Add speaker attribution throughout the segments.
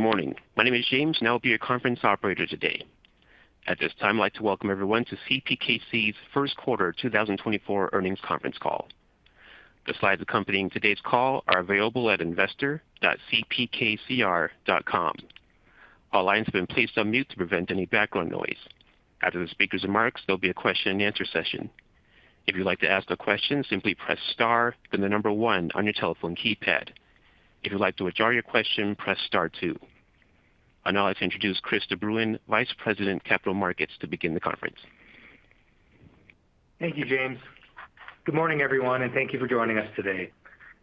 Speaker 1: Good morning. My name is James, and I'll be your conference operator today. At this time, I'd like to welcome everyone to CPKC's Q1 2024 Earnings Conference Call. The slides accompanying today's call are available at investor.cpkc.com. All lines have been placed on mute to prevent any background noise. After the speaker's remarks, there'll be a question and answer session. If you'd like to ask a question, simply press star, then the number one on your telephone keypad. If you'd like to withdraw your question, press star two. I'd now like to introduce Chris de Bruyn, Vice President, Capital Markets, to begin the conference.
Speaker 2: Thank you, James. Good morning, everyone, and thank you for joining us today.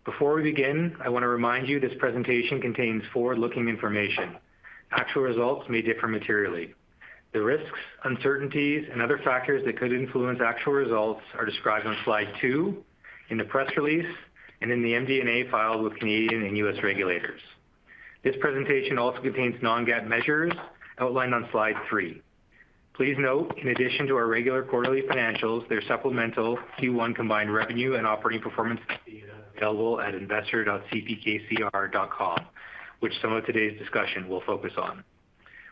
Speaker 2: Before we begin, I want to remind you this presentation contains forward-looking information. Actual results may differ materially. The risks, uncertainties, and other factors that could influence actual results are described on slide two, in the press release, and in the MD&A filed with Canadian and U.S. regulators. This presentation also contains non-GAAP measures outlined on slide three. Please note, in addition to our regular quarterly financials, there are supplemental Q1 combined revenue and operating performance data available at investor.cpkcr.com, which some of today's discussion will focus on.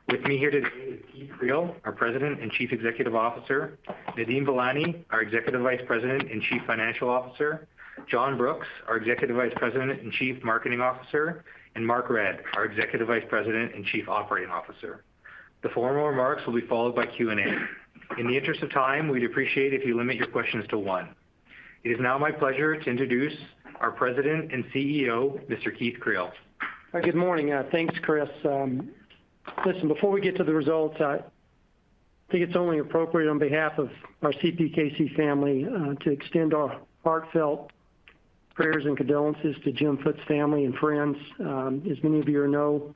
Speaker 2: With me here today is Keith Creel, our President and Chief Executive Officer, Nadeem Velani, our Executive Vice President and Chief Financial Officer, John Brooks, our Executive Vice President and Chief Marketing Officer, and Mark Redd, our Executive Vice President and Chief Operating Officer. The formal remarks will be followed by Q&A. In the interest of time, we'd appreciate if you limit your questions to one. It is now my pleasure to introduce our President and CEO, Mr. Keith Creel.
Speaker 3: Good morning. Thanks, Chris. Listen, before we get to the results, I think it's only appropriate on behalf of our CPKC family, to extend our heartfelt prayers and condolences to Jim Foote's family and friends. As many of you know,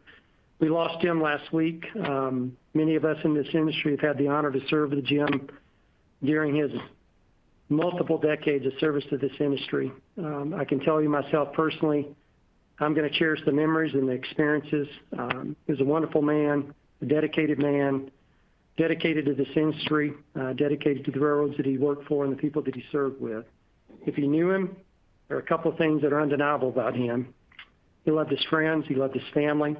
Speaker 3: we lost Jim last week. Many of us in this industry have had the honor to serve with Jim during his multiple decades of service to this industry. I can tell you myself, personally, I'm going to cherish the memories and the experiences. He was a wonderful man, a dedicated man, dedicated to this industry, dedicated to the railroads that he worked for and the people that he served with. If you knew him, there are a couple of things that are undeniable about him. He loved his friends, he loved his family,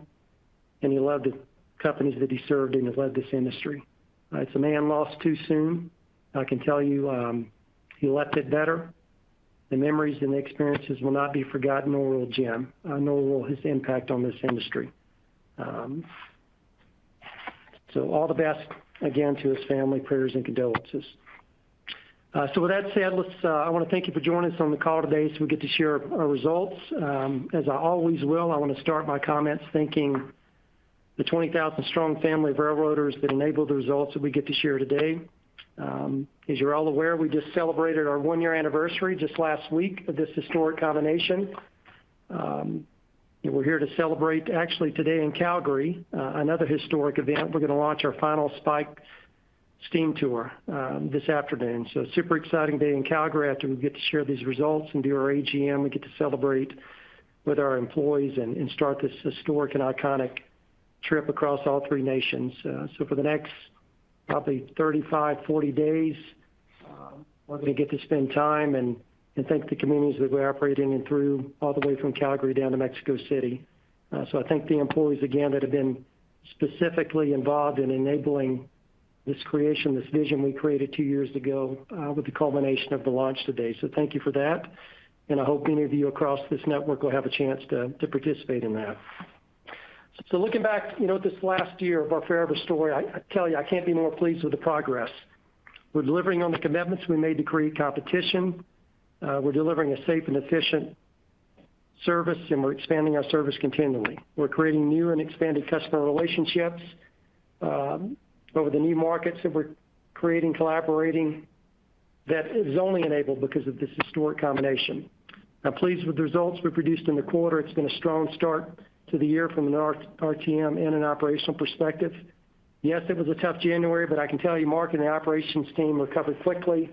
Speaker 3: and he loved the companies that he served and have led this industry. It's a man lost too soon. I can tell you, he left it better. The memories and the experiences will not be forgotten or will Jim. I know his impact on this industry. So all the best, again, to his family, prayers and condolences. So with that said, let's, I want to thank you for joining us on the call today, so we get to share our results. As I always will, I want to start my comments thanking the 20,000 strong family of railroaders that enabled the results that we get to share today. As you're all aware, we just celebrated our one-year anniversary just last week of this historic combination. And we're here to celebrate, actually, today in Calgary, another historic event. We're going to launch our Final Spike Steam Tour this afternoon. So super exciting day in Calgary. After we get to share these results and do our AGM, we get to celebrate with our employees and start this historic and iconic trip across all three nations. So for the next probably 35, 40 days, we're going to get to spend time and thank the communities that we're operating in through all the way from Calgary down to Mexico City. So I thank the employees again that have been specifically involved in enabling this creation, this vision we created two years ago, with the culmination of the launch today. So thank you for that, and I hope many of you across this network will have a chance to participate in that. Looking back, you know, at this last year of our favorite story, I tell you, I can't be more pleased with the progress. We're delivering on the commitments we made to create competition. We're delivering a safe and efficient service, and we're expanding our service continually. We're creating new and expanded customer relationships over the new markets that we're creating, collaborating, that is only enabled because of this historic combination. I'm pleased with the results we produced in the quarter. It's been a strong start to the year from an RTM and an operational perspective. Yes, it was a tough January, but I can tell you, Mark and the operations team recovered quickly,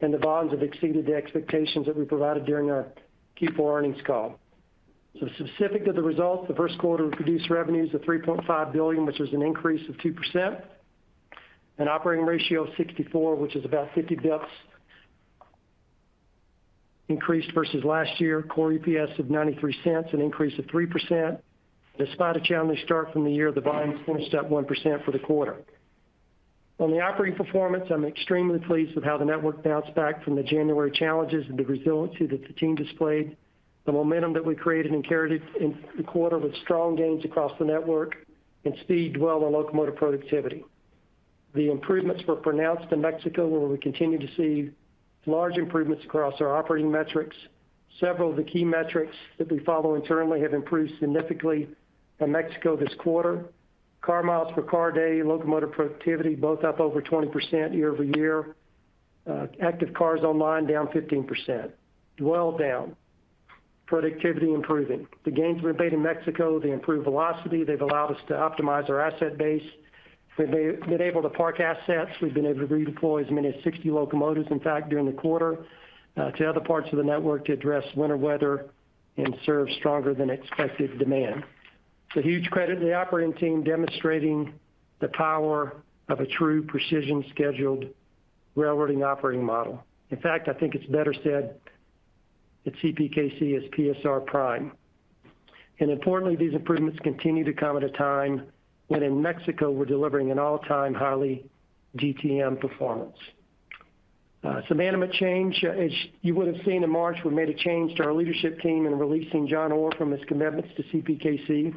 Speaker 3: and the volumes have exceeded the expectations that we provided during our Q4 earnings call. So specific to the results, the Q1, we produced revenues of $3.5 billion, which is an increase of 2%. An operating ratio of 64, which is about 50 basis points increased versus last year. Core EPS of $0.93, an increase of 3%. Despite a challenging start from the year, the volumes finished up 1% for the quarter. On the operating performance, I'm extremely pleased with how the network bounced back from the January challenges and the resiliency that the team displayed, the momentum that we created and carried in the quarter with strong gains across the network and speed, dwell, and locomotive productivity. The improvements were pronounced in Mexico, where we continue to see large improvements across our operating metrics. Several of the key metrics that we follow internally have improved significantly from Mexico this quarter. Car miles per car day, locomotive productivity, both up over 20% year-over-year. Active cars online, down 15%. Dwell, down. Productivity, improving. The gains we've made in Mexico, they improved velocity. They've allowed us to optimize our asset base. We've been able to park assets. We've been able to redeploy as many as 60 locomotives, in fact, during the quarter, to other parts of the network to address winter weather and serve stronger than expected demand. It's a huge credit to the operating team, demonstrating the power of a true precision-scheduled railroading operating model. In fact, I think it's better said at CPKC as PSR Prime. Importantly, these improvements continue to come at a time when in Mexico, we're delivering an all-time high GTM performance. Some management change. As you would have seen in March, we made a change to our leadership team in releasing John Orr from his commitments to CPKC.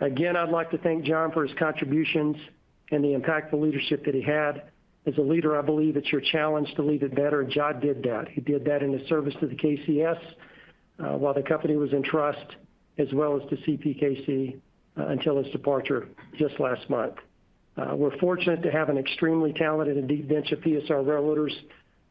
Speaker 3: Again, I'd like to thank John for his contributions and the impactful leadership that he had. As a leader, I believe it's your challenge to leave it better, and John did that. He did that in his service to the KCS, while the company was in trust, as well as to CPKC, until his departure just last month. We're fortunate to have an extremely talented and deep bench of PSR railroaders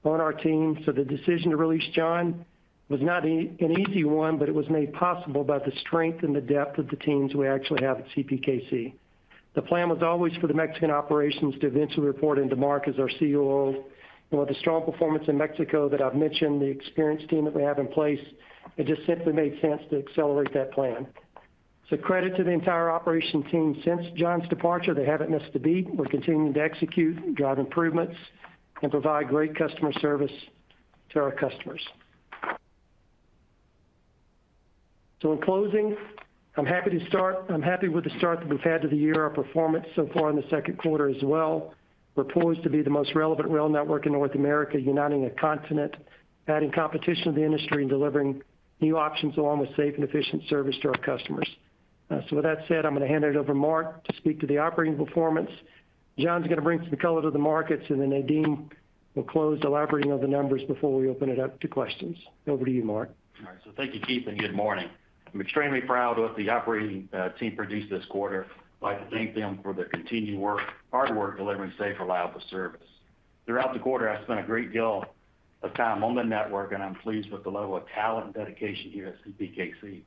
Speaker 3: on our team. So the decision to release John was not an easy one, but it was made possible by the strength and the depth of the teams we actually have at CPKC. The plan was always for the Mexican operations to eventually report into Mark as our COO. With the strong performance in Mexico that I've mentioned, the experienced team that we have in place, it just simply made sense to accelerate that plan. So credit to the entire operation team. Since John's departure, they haven't missed a beat. We're continuing to execute, drive improvements, and provide great customer service to our customers. So in closing, I'm happy with the start that we've had to the year, our performance so far in the Q2 as well. We're poised to be the most relevant rail network in North America, uniting a continent, adding competition to the industry, and delivering new options along with safe and efficient service to our customers. So with that said, I'm going to hand it over to Mark to speak to the operating performance. John's going to bring some color to the markets, and then Nadeem will close, elaborating on the numbers before we open it up to questions. Over to you, Mark.
Speaker 4: All right. So thank you, Keith, and good morning. I'm extremely proud of what the operating team produced this quarter. I'd like to thank them for their continued work, hard work, delivering safe, reliable service. Throughout the quarter, I spent a great deal of time on the network, and I'm pleased with the level of talent and dedication here at CPKC.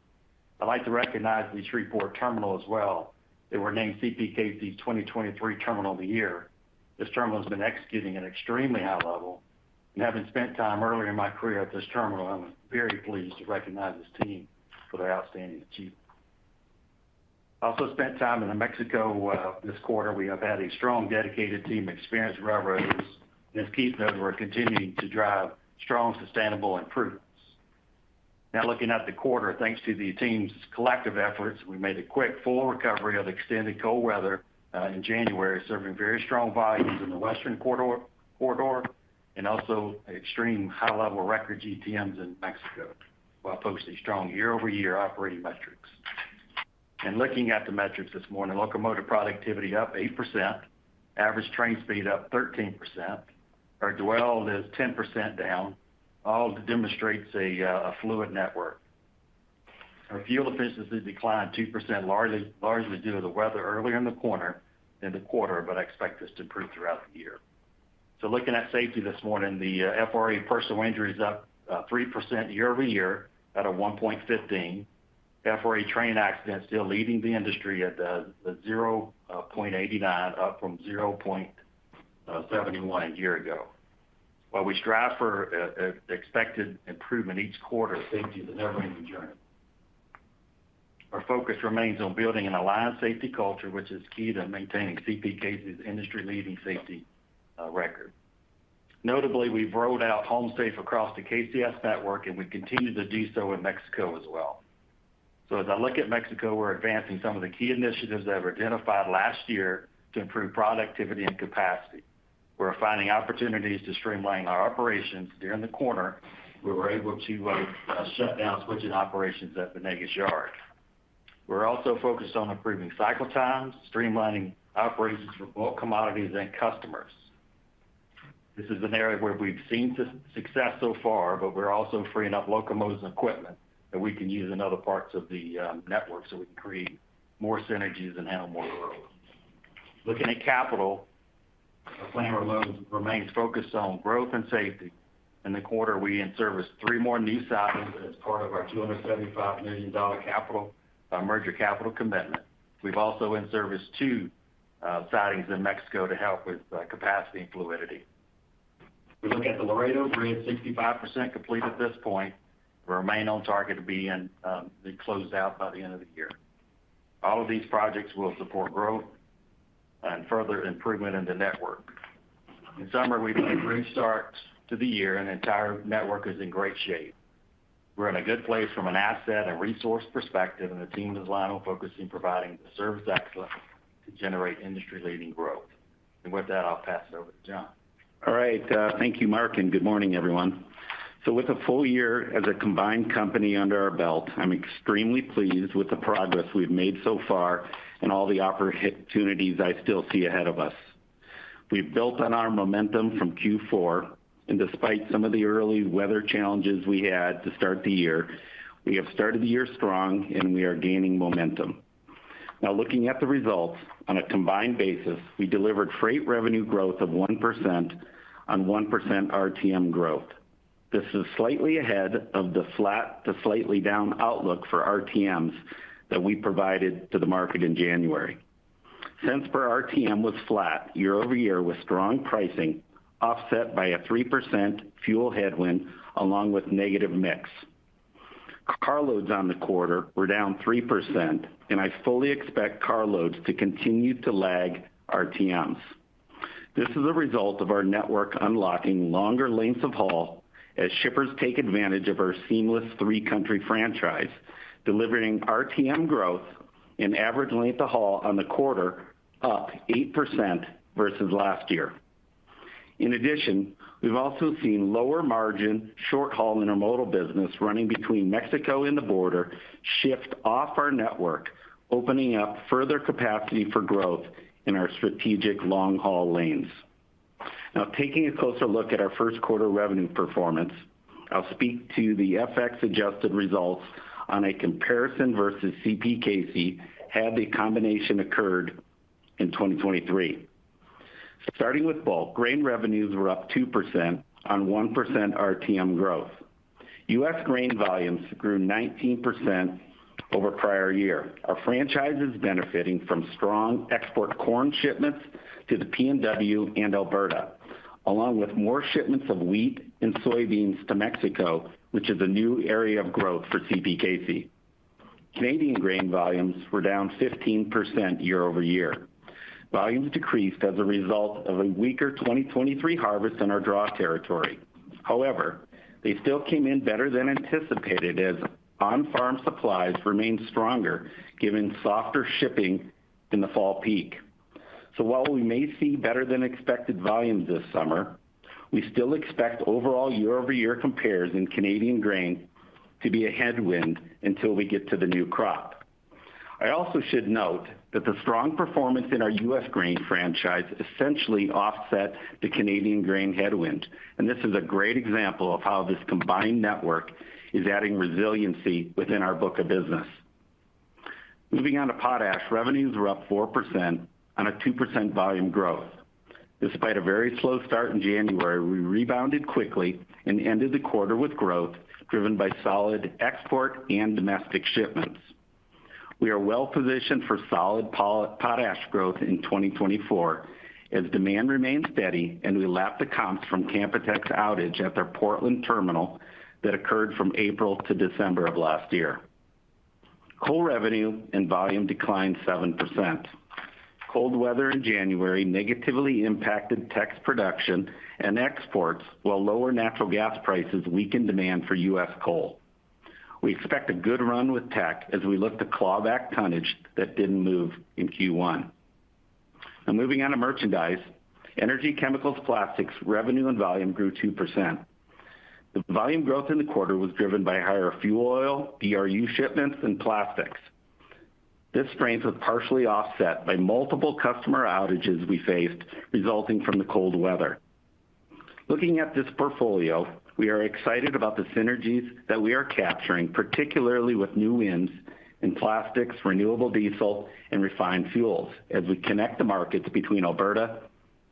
Speaker 4: I'd like to recognize the Shreveport Terminal as well. They were named CPKC's 2023 Terminal of the Year. This terminal has been executing at an extremely high level, and having spent time earlier in my career at this terminal, I'm very pleased to recognize this team for their outstanding achievement. I also spent time in Mexico this quarter. We have had a strong, dedicated team, experienced railroaders. As Keith noted, we're continuing to drive strong, sustainable improvements. Now, looking at the quarter, thanks to the team's collective efforts, we made a quick, full recovery of extended cold weather in January, serving very strong volumes in the western corridor, and also extreme high-level record GTMs in Mexico, while posting strong year-over-year operating metrics. Looking at the metrics this morning, locomotive productivity up 8%, average train speed up 13%. Our dwell is 10% down, all demonstrates a fluid network. Our fuel efficiency declined 2%, largely due to the weather earlier in the quarter, but I expect this to improve throughout the year. Looking at safety this morning, the FRA personal injury is up 3% year-over-year at 1.15. FRA train accidents still leading the industry at the zero point eighty-nine, up from zero point seventy-one a year ago. While we strive for an expected improvement each quarter, safety is a never-ending journey. Our focus remains on building an aligned safety culture, which is key to maintaining CPKC's industry-leading safety record. Notably, we've rolled out Home Safe across the KCS network, and we continue to do so in Mexico as well. So as I look at Mexico, we're advancing some of the key initiatives that were identified last year to improve productivity and capacity. We're finding opportunities to streamline our operations. During the quarter, we were able to shut down switching operations at the Nogalar Yard. We're also focused on improving cycle times, streamlining operations for both commodities and customers. This is an area where we've seen success so far, but we're also freeing up locomotives and equipment that we can use in other parts of the network, so we can create more synergies and handle more loads. Looking at capital, our plan remains focused on growth and safety. In the quarter, we in-serviced three more new sidings as part of our $275 million capital merger capital commitment. We've also in-serviced two sidings in Mexico to help with capacity and fluidity. We look at the Laredo Bridge, 65% complete at this point. We remain on target to be closed out by the end of the year. All of these projects will support growth and further improvement in the network. In summary, we've made a great start to the year and the entire network is in great shape. We're in a good place from an asset and resource perspective, and the team is aligned on focusing on providing service excellence to generate industry-leading growth. With that, I'll pass it over to John.
Speaker 5: All right, thank you, Mark, and good morning, everyone. With a full year as a combined company under our belt, I'm extremely pleased with the progress we've made so far and all the opportunities I still see ahead of us. We've built on our momentum from Q4, and despite some of the early weather challenges we had to start the year, we have started the year strong and we are gaining momentum. Now, looking at the results, on a combined basis, we delivered freight revenue growth of 1% on 1% RTM growth. This is slightly ahead of the flat to slightly down outlook for RTMs that we provided to the market in January. Cents per RTM was flat year-over-year, with strong pricing offset by a 3% fuel headwind, along with negative mix.... carloads on the quarter were down 3%, and I fully expect carloads to continue to lag RTMs. This is a result of our network unlocking longer lengths of haul as shippers take advantage of our seamless three-country franchise, delivering RTM growth and average length of haul on the quarter, up 8% versus last year. In addition, we've also seen lower margin, short-haul intermodal business running between Mexico and the border shift off our network, opening up further capacity for growth in our strategic long-haul lanes. Now, taking a closer look at our Q1 revenue performance, I'll speak to the FX-adjusted results on a comparison versus CPKC, had the combination occurred in 2023. Starting with bulk, grain revenues were up 2% on 1% RTM growth. U.S. grain volumes grew 19% over prior year. Our franchise is benefiting from strong export corn shipments to the PNW and Alberta, along with more shipments of wheat and soybeans to Mexico, which is a new area of growth for CPKC. Canadian grain volumes were down 15% year-over-year. Volumes decreased as a result of a weaker 2023 harvest in our draw territory. However, they still came in better than anticipated, as on-farm supplies remained stronger, given softer shipping in the fall peak. So while we may see better than expected volumes this summer, we still expect overall year-over-year compares in Canadian grain to be a headwind until we get to the new crop. I also should note that the strong performance in our U.S. grain franchise essentially offset the Canadian grain headwind, and this is a great example of how this combined network is adding resiliency within our book of business. Moving on to potash, revenues were up 4% on a 2% volume growth. Despite a very slow start in January, we rebounded quickly and ended the quarter with growth, driven by solid export and domestic shipments. We are well positioned for solid potash growth in 2024, as demand remains steady and we lap the comps from Canpotex outage at their Portland terminal that occurred from April to December of last year. Coal revenue and volume declined 7%. Cold weather in January negatively impacted Teck production and exports, while lower natural gas prices weakened demand for U.S. coal. We expect a good run with Teck as we look to claw back tonnage that didn't move in Q1. Now, moving on to merchandise, energy, chemicals, plastics, revenue and volume grew 2%. The volume growth in the quarter was driven by higher fuel oil, DRU shipments, and plastics. This strength was partially offset by multiple customer outages we faced resulting from the cold weather. Looking at this portfolio, we are excited about the synergies that we are capturing, particularly with new wins in plastics, renewable diesel, and refined fuels, as we connect the markets between Alberta,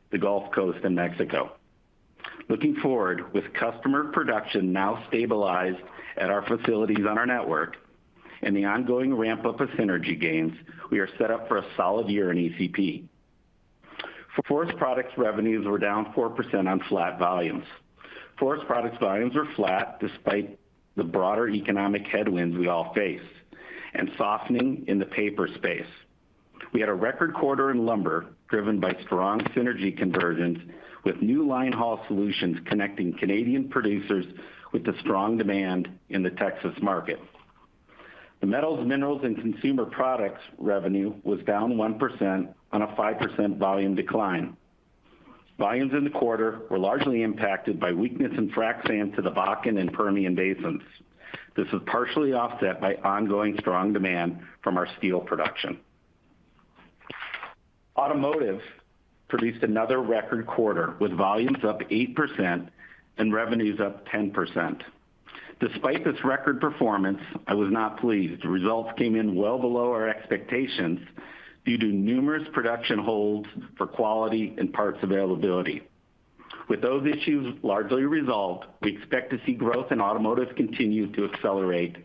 Speaker 5: the Gulf Coast, and Mexico. Looking forward, with customer production now stabilized at our facilities on our network and the ongoing ramp-up of synergy gains, we are set up for a solid year in ECP. Forest Products revenues were down 4% on flat volumes. Forest Products volumes were flat despite the broader economic headwinds we all face and softening in the paper space. We had a record quarter in lumber, driven by strong synergy convergence, with new line haul solutions connecting Canadian producers with the strong demand in the Texas market. The metals, minerals, and consumer products revenue was down 1% on a 5% volume decline. Volumes in the quarter were largely impacted by weakness in frac sand to the Bakken and Permian Basins. This was partially offset by ongoing strong demand from our steel production. Automotive produced another record quarter, with volumes up 8% and revenues up 10%. Despite this record performance, I was not pleased. The results came in well below our expectations due to numerous production holds for quality and parts availability. With those issues largely resolved, we expect to see growth in automotive continue to accelerate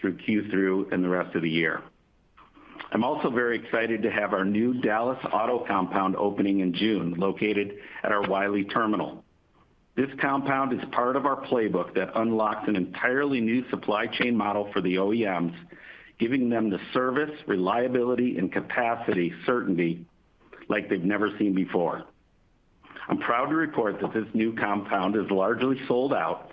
Speaker 5: through Q3 and the rest of the year. I'm also very excited to have our new Dallas auto compound opening in June, located at our Wylie terminal. This compound is part of our playbook that unlocked an entirely new supply chain model for the OEMs, giving them the service, reliability, and capacity certainty like they've never seen before. I'm proud to report that this new compound is largely sold out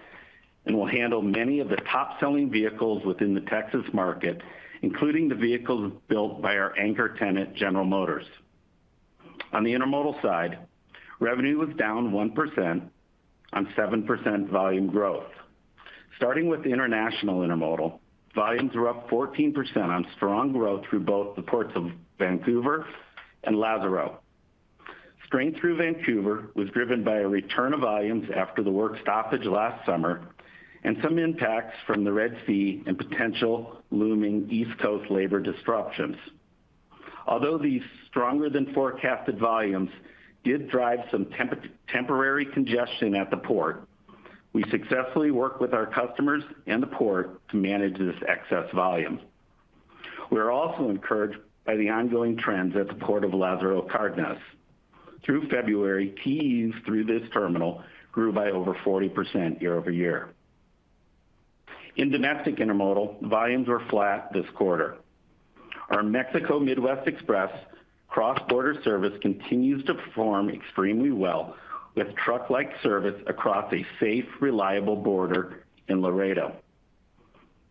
Speaker 5: and will handle many of the top-selling vehicles within the Texas market, including the vehicles built by our anchor tenant, General Motors. On the intermodal side, revenue was down 1% on 7% volume growth. Starting with the international intermodal, volumes were up 14% on strong growth through both the ports of Vancouver and Lázaro. Strength through Vancouver was driven by a return of volumes after the work stoppage last summer and some impacts from the Red Sea and potential looming East Coast labor disruptions. Although these stronger than forecasted volumes did drive some temporary congestion at the port, we successfully worked with our customers and the port to manage this excess volume. We're also encouraged by the ongoing trends at the Port of Lázaro Cárdenas. Through February, TEUs through this terminal grew by over 40% year-over-year. In domestic intermodal, volumes were flat this quarter. Our Mexico Midwest Express cross-border service continues to perform extremely well, with truck-like service across a safe, reliable border in Laredo.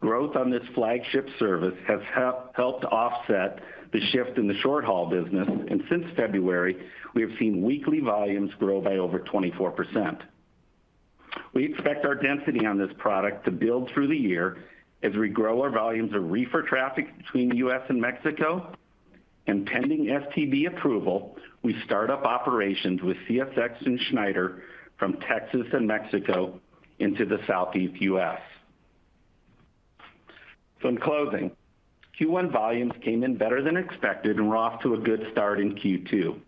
Speaker 5: Growth on this flagship service has helped to offset the shift in the short-haul business, and since February, we have seen weekly volumes grow by over 24%. We expect our density on this product to build through the year as we grow our volumes of reefer traffic between the U.S. and Mexico, and pending STB approval, we start up operations with CSX and Schneider from Texas and Mexico into the southeast U.S. So in closing, Q1 volumes came in better than expected, and we're off to a good start in Q2.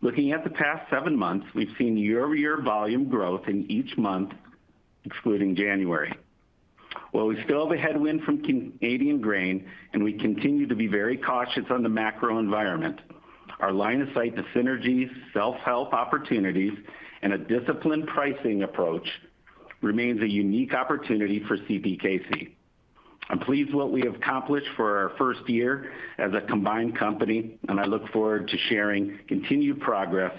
Speaker 5: Looking at the past 7 months, we've seen year-over-year volume growth in each month, excluding January. While we still have a headwind from Canadian grain, and we continue to be very cautious on the macro environment, our line of sight to synergies, self-help opportunities, and a disciplined pricing approach remains a unique opportunity for CPKC. I'm pleased what we have accomplished for our first year as a combined company, and I look forward to sharing continued progress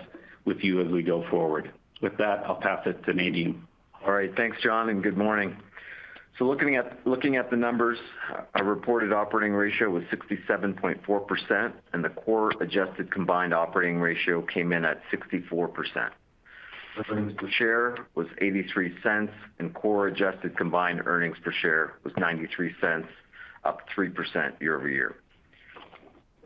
Speaker 5: with you as we go forward. With that, I'll pass it to Nadeem.
Speaker 6: All right, thanks, John, and good morning. So looking at, looking at the numbers, our reported operating ratio was 67.4%, and the core adjusted combined operating ratio came in at 64%. Earnings per share was $0.83, and core adjusted combined earnings per share was $0.93, up 3% year-over-year.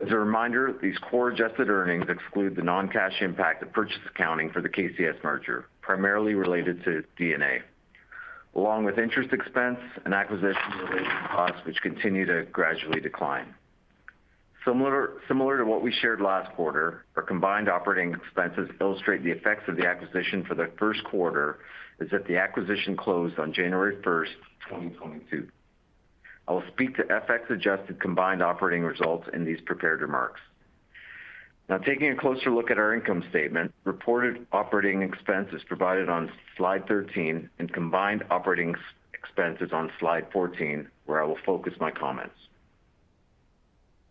Speaker 6: As a reminder, these core adjusted earnings exclude the non-cash impact of purchase accounting for the KCS merger, primarily related to D&A, along with interest expense and acquisition-related costs, which continue to gradually decline. Similar, similar to what we shared last quarter, our combined operating expenses illustrate the effects of the acquisition for the Q1, as that the acquisition closed on January 1, 2022. I will speak to FX-adjusted combined operating results in these prepared remarks. Now, taking a closer look at our income statement, reported operating expense is provided on slide 13 and combined operating expenses on slide 14, where I will focus my comments.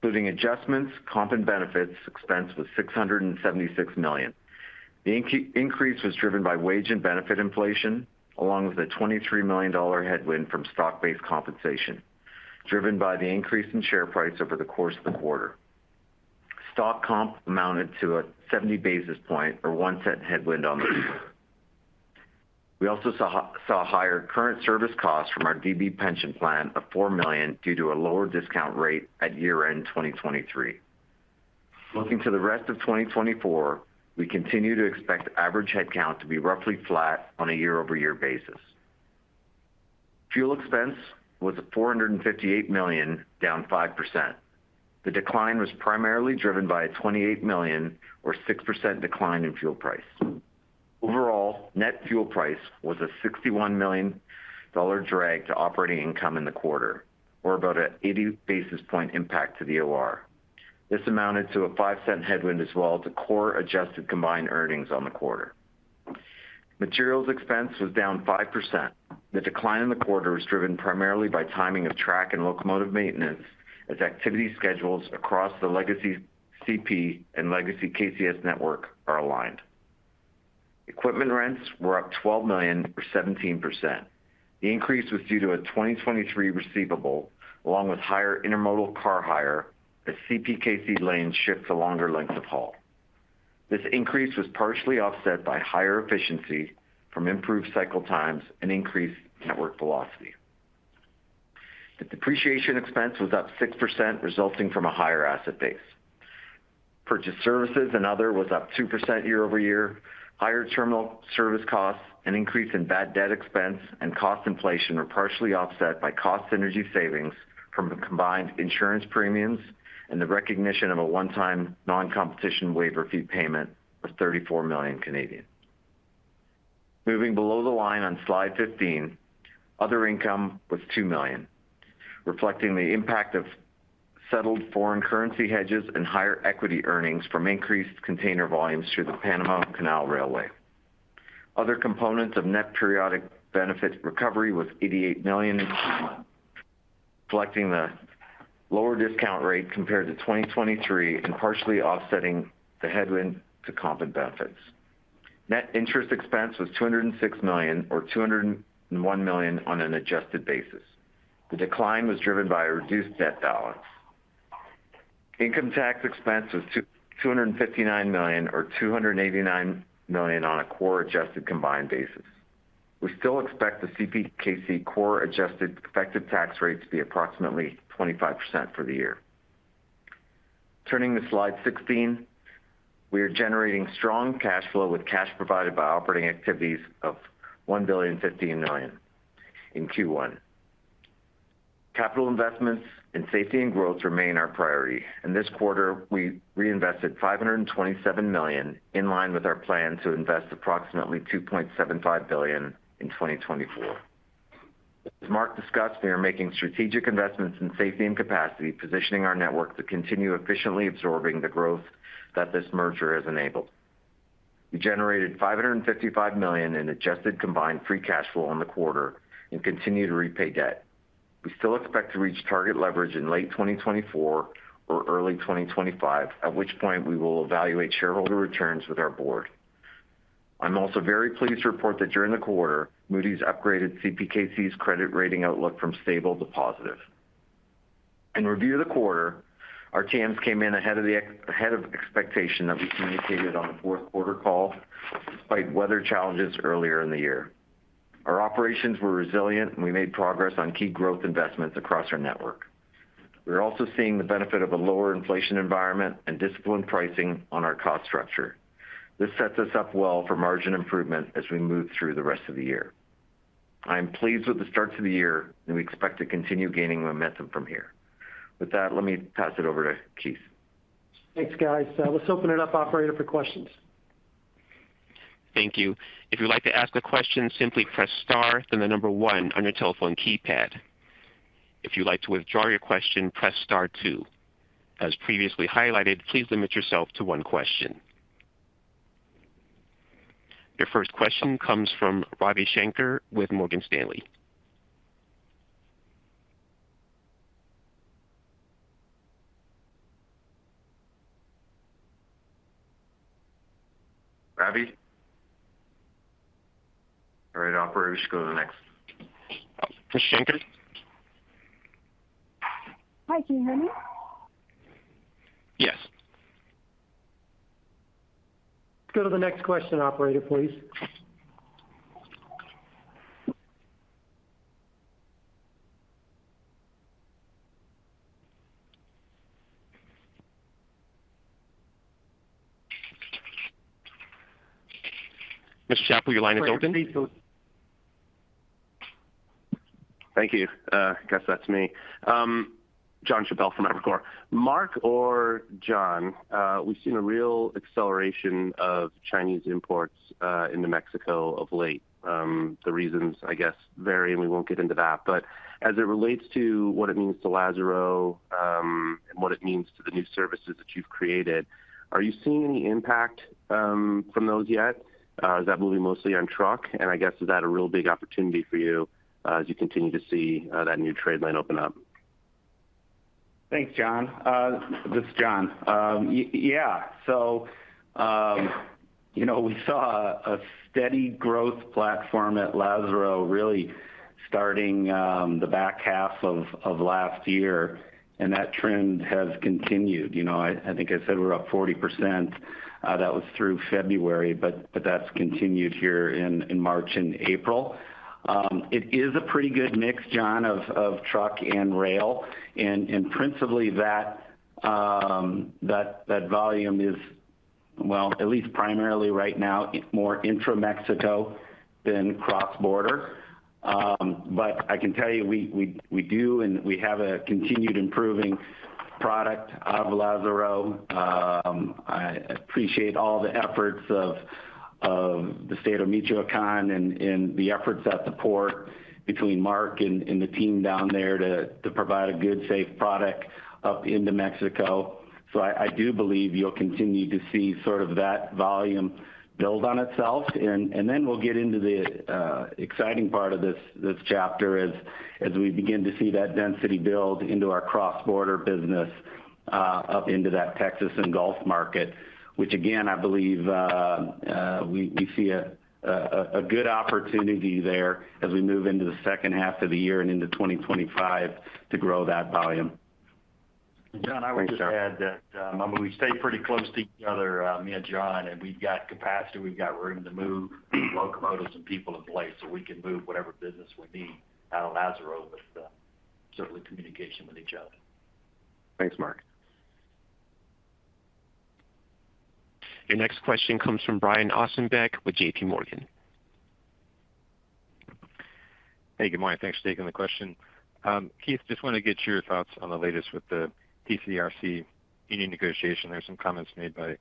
Speaker 6: Including adjustments, comp and benefits, expense was $676 million. The increase was driven by wage and benefit inflation, along with a $23 million headwind from stock-based compensation, driven by the increase in share price over the course of the quarter. Stock comp amounted to a 70 basis point or $0.01 headwind on the quarter. We also saw higher current service costs from our DB pension plan of $4 million due to a lower discount rate at year-end 2023. Looking to the rest of 2024, we continue to expect average headcount to be roughly flat on a year-over-year basis. Fuel expense was $458 million, down 5%. The decline was primarily driven by a $28 million, or 6% decline in fuel price. Overall, net fuel price was a $61 million drag to operating income in the quarter, or about an 80 basis point impact to the OR. This amounted to a $0.05 headwind as well to core adjusted combined earnings on the quarter. Materials expense was down 5%. The decline in the quarter was driven primarily by timing of track and locomotive maintenance, as activity schedules across the legacy CP and legacy KCS network are aligned. Equipment rents were up $12 million or 17%. The increase was due to a 2023 receivable, along with higher intermodal car hire, as CPKC lanes shift to longer lengths of haul. This increase was partially offset by higher efficiency from improved cycle times and increased network velocity. The depreciation expense was up 6%, resulting from a higher asset base. Purchased services and other was up 2% year-over-year. Higher terminal service costs, an increase in bad debt expense and cost inflation were partially offset by cost synergy savings from the combined insurance premiums and the recognition of a one-time non-competition waiver fee payment of 34 million. Moving below the line on slide 15, other income was 2 million, reflecting the impact of settled foreign currency hedges and higher equity earnings from increased container volumes through the Panama Canal Railway. Other components of net periodic benefits recovery was 88 million, reflecting the lower discount rate compared to 2023 and partially offsetting the headwind to comp and benefits. Net interest expense was 206 million, or 201 million on an adjusted basis. The decline was driven by a reduced debt balance. Income tax expense was $259 million, or $289 million on a core adjusted combined basis. We still expect the CPKC core adjusted effective tax rate to be approximately 25% for the year. Turning to slide 16, we are generating strong cash flow with cash provided by operating activities of $1.05 billion in Q1. Capital investments in safety and growth remain our priority. In this quarter, we reinvested $527 million, in line with our plan to invest approximately $2.75 billion in 2024.... As Mark discussed, we are making strategic investments in safety and capacity, positioning our network to continue efficiently absorbing the growth that this merger has enabled. We generated $555 million in adjusted combined free cash flow on the quarter and continue to repay debt. We still expect to reach target leverage in late 2024 or early 2025, at which point we will evaluate shareholder returns with our board. I'm also very pleased to report that during the quarter, Moody's upgraded CPKC's credit rating outlook from stable to positive. In review of the quarter, our TAMS came in ahead of expectation that we communicated on the fourth quarter call, despite weather challenges earlier in the year. Our operations were resilient, and we made progress on key growth investments across our network. We're also seeing the benefit of a lower inflation environment and disciplined pricing on our cost structure. This sets us up well for margin improvement as we move through the rest of the year. I am pleased with the starts of the year, and we expect to continue gaining momentum from here. With that, let me pass it over to Keith.
Speaker 3: Thanks, guys. Let's open it up, operator, for questions.
Speaker 1: Thank you. If you'd like to ask a question, simply press Star, then the number one on your telephone keypad. If you'd like to withdraw your question, press Star two. As previously highlighted, please limit yourself to one question. Your first question comes from Ravi Shanker with Morgan Stanley.
Speaker 3: Ravi? All right, operator, just go to the next.
Speaker 1: Mr. Shanker? Hi, can you hear me? Yes.
Speaker 3: Go to the next question, operator, please.
Speaker 1: Mr. Chappell, your line is open.
Speaker 7: Thank you. I guess that's me. John Chappell from Evercore. Mark or John, we've seen a real acceleration of Chinese imports into Mexico of late. The reasons, I guess, vary, and we won't get into that. But as it relates to what it means to Lázaro, and what it means to the new services that you've created, are you seeing any impact from those yet? Is that moving mostly on truck? And I guess, is that a real big opportunity for you, as you continue to see that new trade line open up?
Speaker 5: Thanks, John. This is John. Yeah. So, you know, we saw a steady growth platform at Lázaro, really starting the back half of last year, and that trend has continued. You know, I think I said we're up 40%, that was through February, but that's continued here in March and April. It is a pretty good mix, John, of truck and rail, and principally that volume is, well, at least primarily right now, more intra-Mexico than cross-border. But I can tell you, we do and we have a continued improving product out of Lázaro. I appreciate all the efforts of the state of Michoacán and the efforts at the port between Mark and the team down there to provide a good, safe product up into Mexico. So I do believe you'll continue to see sort of that volume build on itself. And then we'll get into the exciting part of this chapter as we begin to see that density build into our cross-border business up into that Texas and Gulf market, which again, I believe, we see a good opportunity there as we move into the second half of the year and into 2025 to grow that volume.
Speaker 4: John, I would just add that we stay pretty close to each other, me and John, and we've got capacity, we've got room to move locomotives and people in place, so we can move whatever business we need out of Lázaro, but certainly communication with each other.
Speaker 7: Thanks, Mark.
Speaker 1: Your next question comes from Brian Ossenbeck with JP Morgan.
Speaker 8: Hey, good morning. Thanks for taking the question. Keith, just want to get your thoughts on the latest with the TCRC union negotiation. There were some comments made by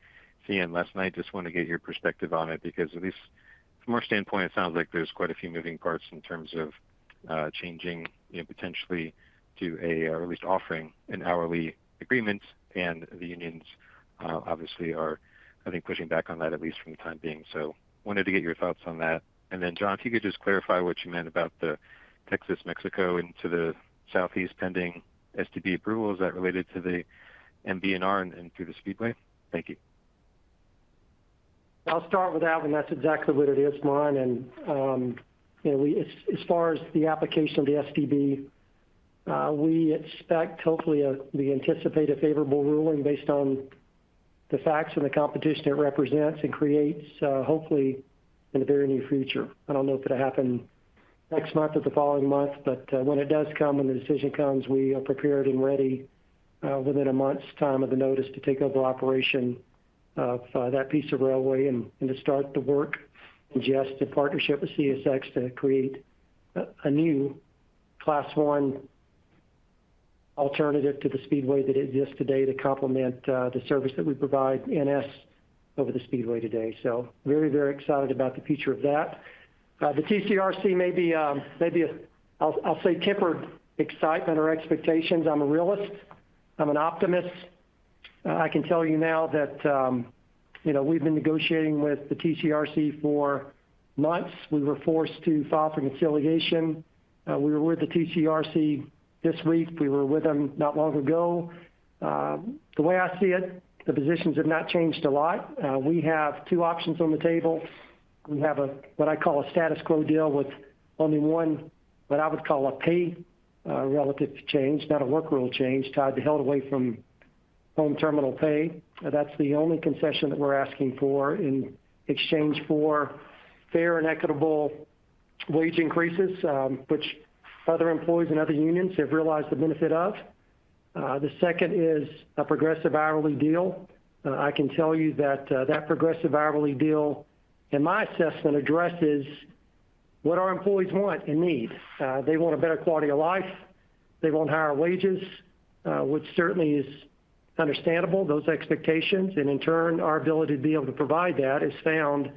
Speaker 8: CNN last night. Just want to get your perspective on it, because at least from our standpoint, it sounds like there's quite a few moving parts in terms of, changing, you know, potentially to a, at least offering an hourly agreement. And the unions, obviously are, I think, pushing back on that, at least for the time being. So wanted to get your thoughts on that. And then, John, if you could just clarify what you meant about the Texas-Mexico into the Southeast pending STB approval. Is that related to the MNBR and through the Speedway? Thank you.
Speaker 3: I'll start with that, and that's exactly what it is, Brian. And, you know, we as far as the application of the STB, we expect hopefully we anticipate a favorable ruling based on the facts and the competition it represents and creates, hopefully in the very near future. I don't know if it'll happen next month or the following month, but, when it does come, when the decision comes, we are prepared and ready, within a month's time of the notice to take over operation of, that piece of railway and, to start the work and just in partnership with CSX, to create a new Class One alternative to the speedway that exists today to complement, the service that we provide NS over the speedway today. So very, very excited about the future of that. The TCRC may be, maybe, I'll say tempered excitement or expectations. I'm a realist. I'm an optimist. I can tell you now that, you know, we've been negotiating with the TCRC for months. We were forced to file for conciliation. We were with the TCRC this week. We were with them not long ago. The way I see it, the positions have not changed a lot. We have two options on the table. We have a, what I call a status quo deal with only one, what I would call a pay, relative to change, not a work rule change, tied to held away from home terminal pay. That's the only concession that we're asking for in exchange for fair and equitable wage increases, which other employees and other unions have realized the benefit of. The second is a progressive hourly deal. I can tell you that, that progressive hourly deal, in my assessment, addresses what our employees want and need. They want a better quality of life, they want higher wages, which certainly is understandable, those expectations, and in turn, our ability to be able to provide that is found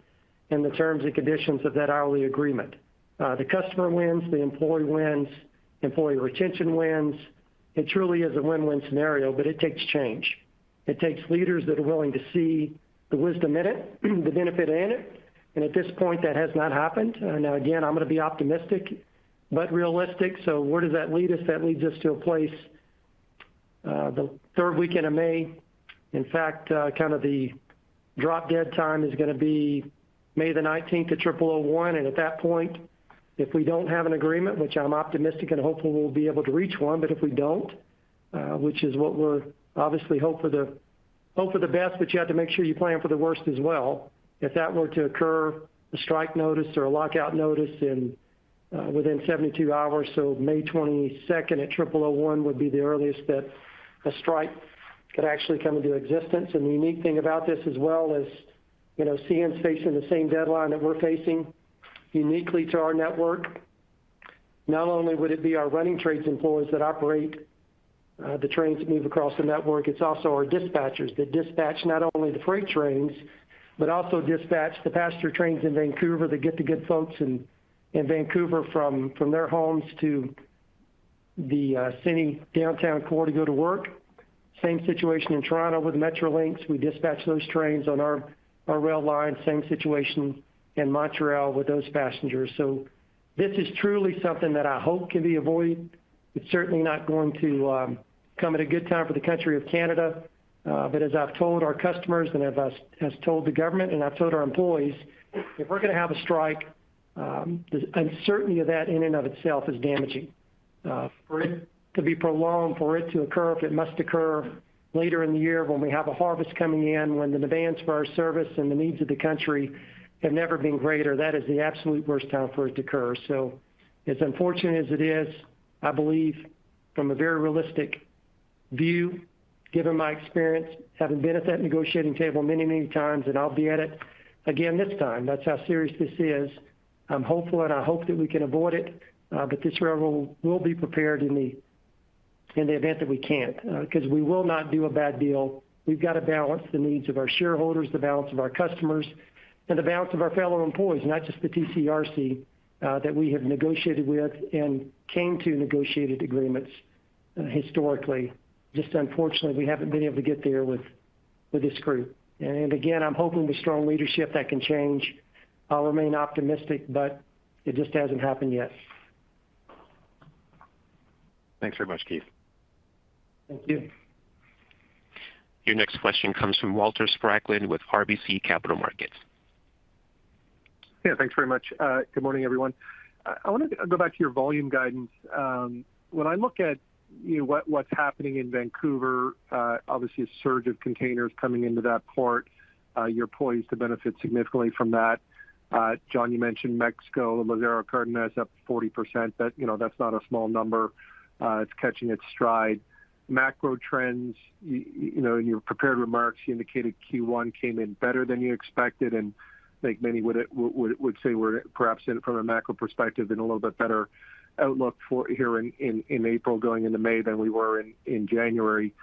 Speaker 3: in the terms and conditions of that hourly agreement. The customer wins, the employee wins, employee retention wins. It truly is a win-win scenario, but it takes change. It takes leaders that are willing to see the wisdom in it, the benefit in it, and at this point, that has not happened. Now again, I'm gonna be optimistic but realistic. So where does that lead us? That leads us to a place, the third weekend of May. In fact, kind of the drop-dead time is gonna be May 19 at 3:01 A.M., and at that point, if we don't have an agreement, which I'm optimistic and hopeful we'll be able to reach one, but if we don't, which is what we're obviously hoping for the best, but you have to make sure you plan for the worst as well. If that were to occur, a strike notice or a lockout notice within 72 hours, so May 22 at 3:01 A.M. would be the earliest that a strike could actually come into existence. The unique thing about this as well is, you know, CNN's facing the same deadline that we're facing uniquely to our network. Not only would it be our running trades employees that operate the trains that move across the network, it's also our dispatchers that dispatch not only the freight trains, but also dispatch the passenger trains in Vancouver that get the good folks in Vancouver from their homes to the city downtown core to go to work. Same situation in Toronto with Metrolinx. We dispatch those trains on our rail line, same situation in Montreal with those passengers. So this is truly something that I hope can be avoided. It's certainly not going to come at a good time for the country of Canada, but as I've told our customers, and as I has told the government and I've told our employees, if we're gonna have a strike, the uncertainty of that in and of itself is damaging. For it to be prolonged, for it to occur, if it must occur later in the year when we have a harvest coming in, when the demands for our service and the needs of the country have never been greater, that is the absolute worst time for it to occur. So as unfortunate as it is, I believe from a very realistic view, given my experience, having been at that negotiating table many, many times, and I'll be at it again this time, that's how serious this is. I'm hopeful, and I hope that we can avoid it, but this railroad will be prepared in the event that we can't, 'cause we will not do a bad deal. We've got to balance the needs of our shareholders, the balance of our customers, and the balance of our fellow employees, not just the TCRC, that we have negotiated with and came to negotiated agreements, historically. Just unfortunately, we haven't been able to get there with this group. And again, I'm hoping with strong leadership that can change. I'll remain optimistic, but it just hasn't happened yet.
Speaker 8: Thanks very much, Keith.
Speaker 3: Thank you.
Speaker 1: Your next question comes from Walter Spracklin with RBC Capital Markets.
Speaker 9: Yeah, thanks very much. Good morning, everyone. I wanna go back to your volume guidance. When I look at, you know, what, what's happening in Vancouver, obviously, a surge of containers coming into that port, you're poised to benefit significantly from that. John, you mentioned Mexico, Lázaro Cárdenas, up 40%. That, you know, that's not a small number. It's catching its stride. Macro trends, you know, in your prepared remarks, you indicated Q1 came in better than you expected, and I think many would say we're perhaps in, from a macro perspective, in a little bit better outlook for here in April, going into May than we were in January.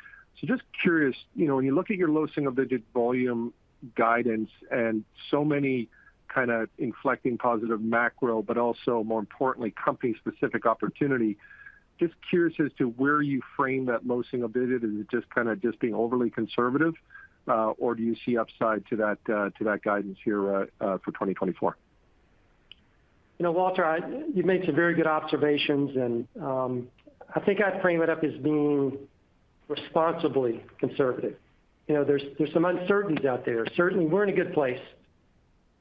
Speaker 9: Just curious, you know, when you look at your low single-digit volume guidance and so many kind of inflecting positive macro, but also more importantly, company-specific opportunity, just curious as to where you frame that low single digit. Is it just kind of just being overly conservative, or do you see upside to that, to that guidance here, for 2024?
Speaker 3: You know, Walter, you've made some very good observations, and I think I'd frame it up as being responsibly conservative. You know, there's some uncertainties out there. Certainly, we're in a good place.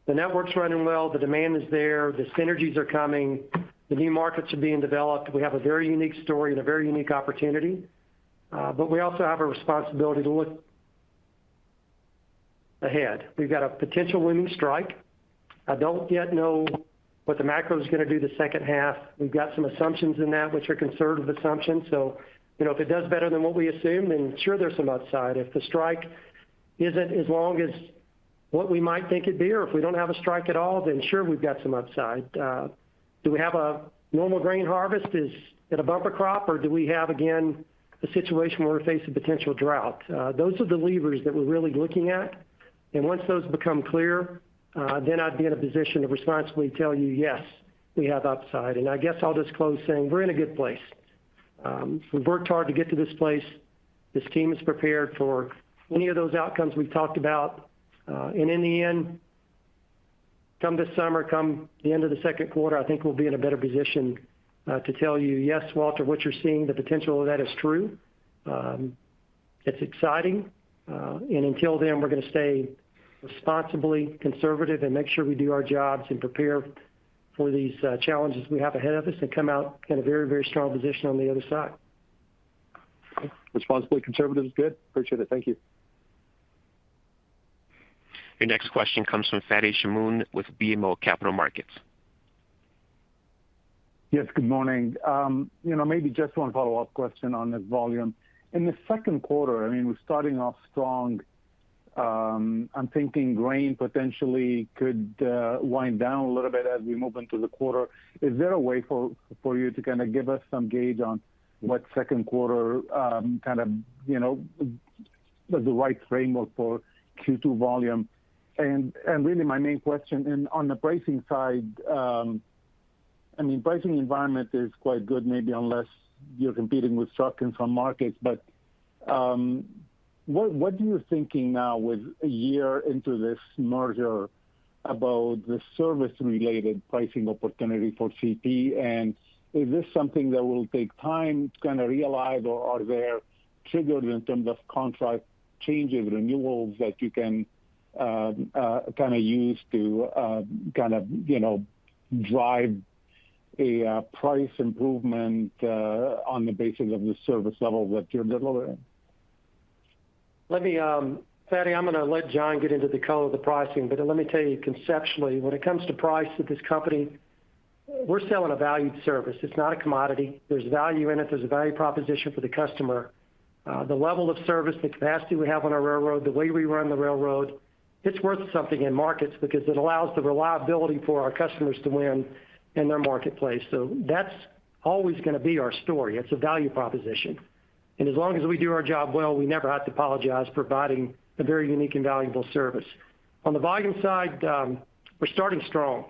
Speaker 3: The network's running well, the demand is there, the synergies are coming, the new markets are being developed. We have a very unique story and a very unique opportunity, but we also have a responsibility to look ahead. We've got a potential port strike. I don't yet know what the macro is gonna do the second half. We've got some assumptions in that, which are conservative assumptions. So you know, if it does better than what we assume, then sure there's some upside. If the strike isn't as long as what we might think it'd be, or if we don't have a strike at all, then sure, we've got some upside. Do we have a normal grain harvest? Is it a bumper crop, or do we have, again, a situation where we face a potential drought? Those are the levers that we're really looking at. And once those become clear, then I'd be in a position to responsibly tell you, "Yes, we have upside." And I guess I'll just close saying we're in a good place. We've worked hard to get to this place. This team is prepared for any of those outcomes we've talked about. And in the end, come this summer, come the end of the Q2, I think we'll be in a better position to tell you, "Yes, Walter, what you're seeing, the potential of that is true." It's exciting, and until then, we're gonna stay responsibly conservative and make sure we do our jobs and prepare for these challenges we have ahead of us and come out in a very, very strong position on the other side.
Speaker 9: Responsibly conservative is good. Appreciate it. Thank you.
Speaker 1: Your next question comes from Fadi Chamoun with BMO Capital Markets.
Speaker 10: Yes, good morning. You know, maybe just one follow-up question on this volume. In the Q2, I mean, we're starting off strong. I'm thinking grain potentially could wind down a little bit as we move into the quarter. Is there a way for you to kind of give us some gauge on what Q2, kind of, you know, the right framework for Q2 volume? And really my main question, and on the pricing side, I mean, pricing environment is quite good, maybe unless you're competing with trucks in some markets. What are you thinking now with a year into this merger about the service-related pricing opportunity for CP? Is this something that will take time to kind of realize, or are there triggers in terms of contract changes, renewals that you can kind of use to kind of you know drive a price improvement on the basis of the service level that you're delivering?
Speaker 3: Let me, Fadi, I'm gonna let John get into the color of the pricing, but let me tell you conceptually, when it comes to price at this company, we're selling a valued service. It's not a commodity. There's value in it. There's a value proposition for the customer. The level of service, the capacity we have on our railroad, the way we run the railroad, it's worth something in markets because it allows the reliability for our customers to win in their marketplace. So that's always gonna be our story. It's a value proposition. And as long as we do our job well, we never have to apologize for providing a very unique and valuable service. On the volume side, we're starting strong.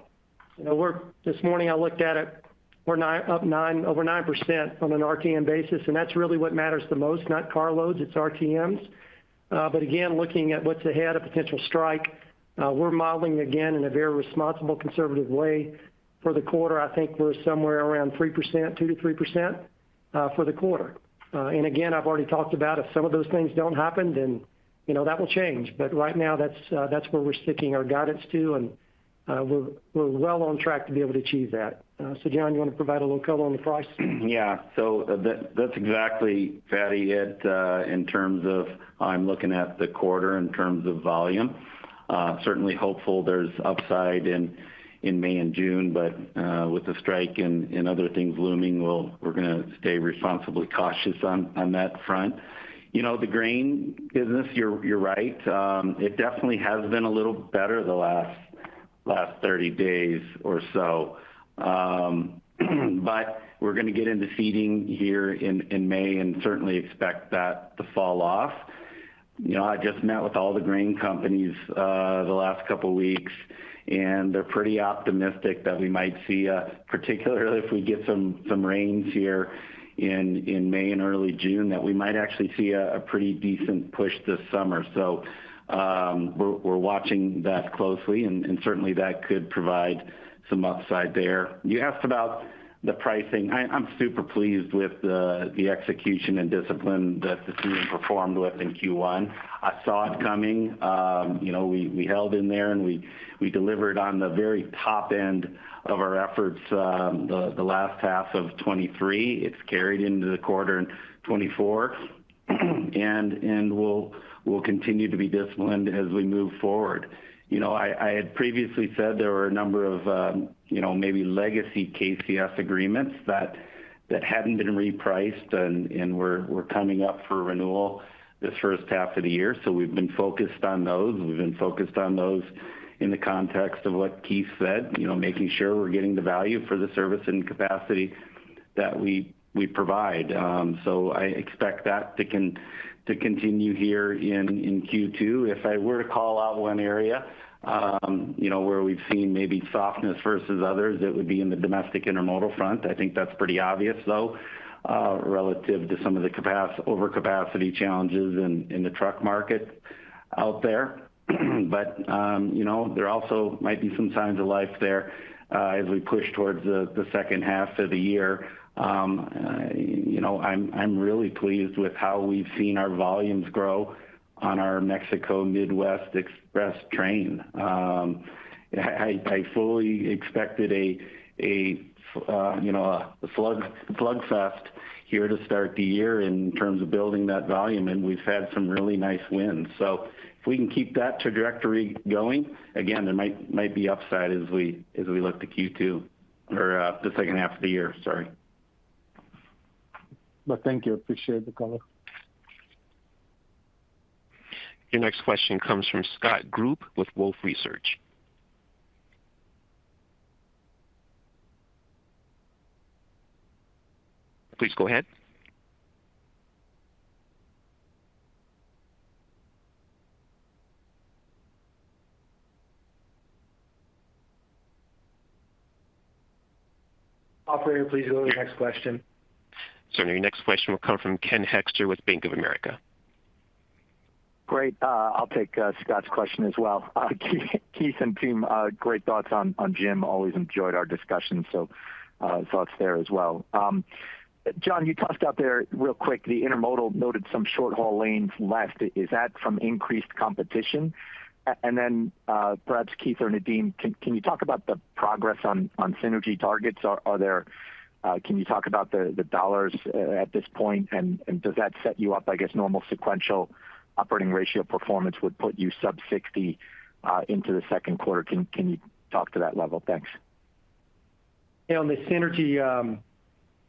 Speaker 3: You know, we're this morning, I looked at it, we're nine up nine, over 9% on an RTM basis, and that's really what matters the most, not car loads, it's RTMs. But again, looking at what's ahead, a potential strike, we're modeling again in a very responsible, conservative way. For the quarter, I think we're somewhere around 3%, 2%-3%, for the quarter. And again, I've already talked about if some of those things don't happen, then, you know, that will change. But right now, that's that's where we're sticking our guidance to, and, we're, we're well on track to be able to achieve that. So John, you want to provide a little color on the price?
Speaker 5: Yeah. So that's exactly, Fadi, it in terms of I'm looking at the quarter in terms of volume. Certainly hopeful there's upside in May and June, but with the strike and other things looming, we're gonna stay responsibly cautious on that front. You know, the grain business, you're right. It definitely has been a little better the last 30 days or so. But we're gonna get into seeding here in May, and certainly expect that to fall off. You know, I just met with all the grain companies the last couple of weeks, and they're pretty optimistic that we might see a particularly if we get some rains here in May and early June, that we might actually see a pretty decent push this summer. So, we're watching that closely, and certainly that could provide some upside there. You asked about the pricing. I'm super pleased with the execution and discipline that the team performed with in Q1. I saw it coming. You know, we held in there, and we delivered on the very top end of our efforts, the last half of 2023. It's carried into the quarter in 2024, and we'll continue to be disciplined as we move forward. You know, I had previously said there were a number of, you know, maybe legacy KCS agreements that hadn't been repriced and were coming up for renewal this first half of the year. So we've been focused on those, and we've been focused on those in the context of what Keith said, you know, making sure we're getting the value for the service and capacity that we provide. So I expect that to continue here in Q2. If I were to call out one area, you know, where we've seen maybe softness versus others, it would be in the domestic intermodal front. I think that's pretty obvious, though, relative to some of the overcapacity challenges in the truck market out there. But you know, there also might be some signs of life there, as we push towards the second half of the year. You know, I'm really pleased with how we've seen our volumes grow on our Mexico Midwest Express train. I fully expected a flood fest here to start the year in terms of building that volume, and we've had some really nice wins. So if we can keep that trajectory going, again, there might be upside as we look to Q2 or the second half of the year, sorry. ...
Speaker 10: thank you. Appreciate the call.
Speaker 1: Your next question comes from Scott Group with Wolfe Research. Please go ahead.
Speaker 5: Operator, please go to the next question.
Speaker 1: Certainly. Your next question will come from Ken Hoexter with Bank of America.
Speaker 11: Great, I'll take Scott's question as well. Keith and team, great thoughts on Jim. Always enjoyed our discussion, so, thoughts there as well. John, you talked out there real quick, the intermodal noted some short haul lanes left. Is that from increased competition? And then, perhaps Keith or Nadeem, can you talk about the progress on synergy targets? Are there, can you talk about the dollars at this point, and does that set you up? I guess normal sequential operating ratio performance would put you sub 60 into the Q2. Can you talk to that level? Thanks.
Speaker 3: Yeah, on the synergy,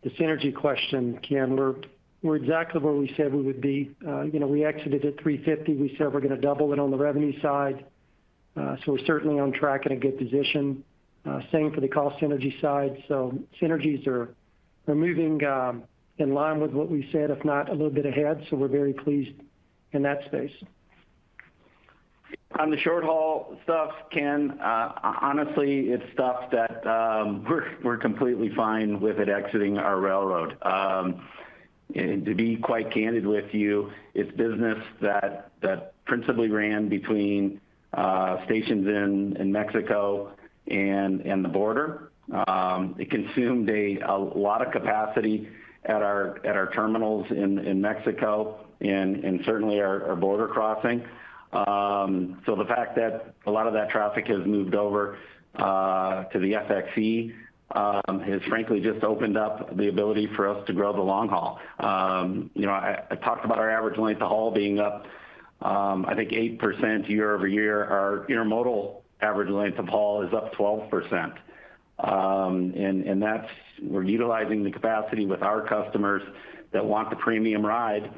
Speaker 3: the synergy question, Ken, we're, we're exactly where we said we would be. You know, we exited at 350. We said we're gonna double it on the revenue side, so we're certainly on track in a good position. Same for the cost synergy side, so synergies are, are moving in line with what we said, if not a little bit ahead, so we're very pleased in that space.
Speaker 5: On the short haul stuff, Ken, honestly, it's stuff that we're completely fine with it exiting our railroad. And to be quite candid with you, it's business that principally ran between stations in Mexico and the border. It consumed a lot of capacity at our terminals in Mexico and certainly our border crossing. So the fact that a lot of that traffic has moved over to the FXE has frankly just opened up the ability for us to grow the long haul. You know, I talked about our average length of haul being up, I think 8% year-over-year. Our intermodal average length of haul is up 12%. And that's, we're utilizing the capacity with our customers that want the premium ride,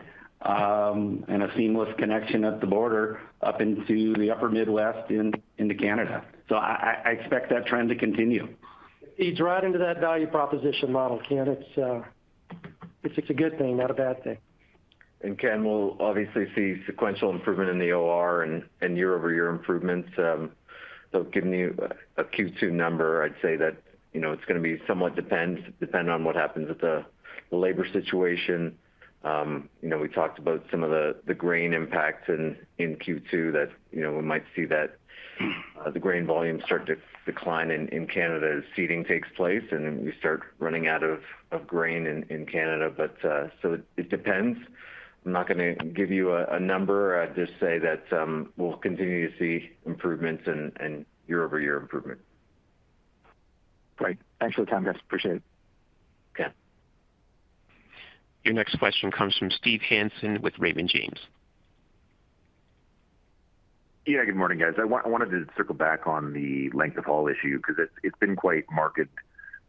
Speaker 5: and a seamless connection at the border up into the upper Midwest, into Canada. So I expect that trend to continue.
Speaker 3: It's right into that value proposition model, Ken. It's a good thing, not a bad thing.
Speaker 6: And Ken, we'll obviously see sequential improvement in the OR and year-over-year improvements. So giving you a Q2 number, I'd say that, you know, it's gonna be depending on what happens with the labor situation. You know, we talked about some of the grain impacts in Q2 that, you know, we might see that the grain volumes start to decline in Canada as seeding takes place, and then we start running out of grain in Canada. But so it depends. I'm not gonna give you a number. I'd just say that we'll continue to see improvements and year-over-year improvement.
Speaker 11: Great. Thanks for the time, guys. Appreciate it.
Speaker 1: Okay. Your next question comes from Steve Hansen with Raymond James.
Speaker 12: Yeah, good morning, guys. I wanted to circle back on the length-of-haul issue, because it's been quite marked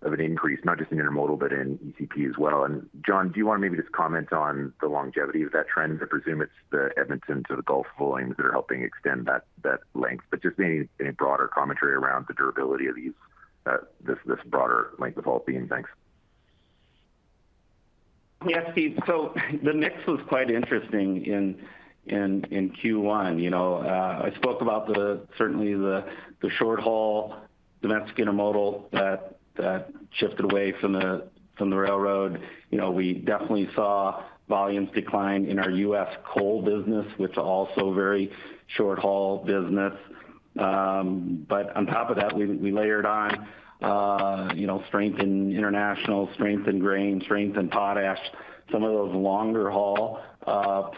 Speaker 12: of an increase, not just in intermodal, but in ECP as well. John, do you want to maybe just comment on the longevity of that trend? I presume it's the Edmonton to the Gulf volumes that are helping extend that length, but just any broader commentary around the durability of this broader length-of-haul theme? Thanks.
Speaker 5: Yeah, Steve, so the mix was quite interesting in Q1. You know, I spoke about certainly the short-haul, the Mexican intermodal that shifted away from the railroad. You know, we definitely saw volumes decline in our U.S. coal business, which are also very short-haul business. But on top of that, we layered on, you know, strength in international, strength in grain, strength in potash, some of those longer-haul,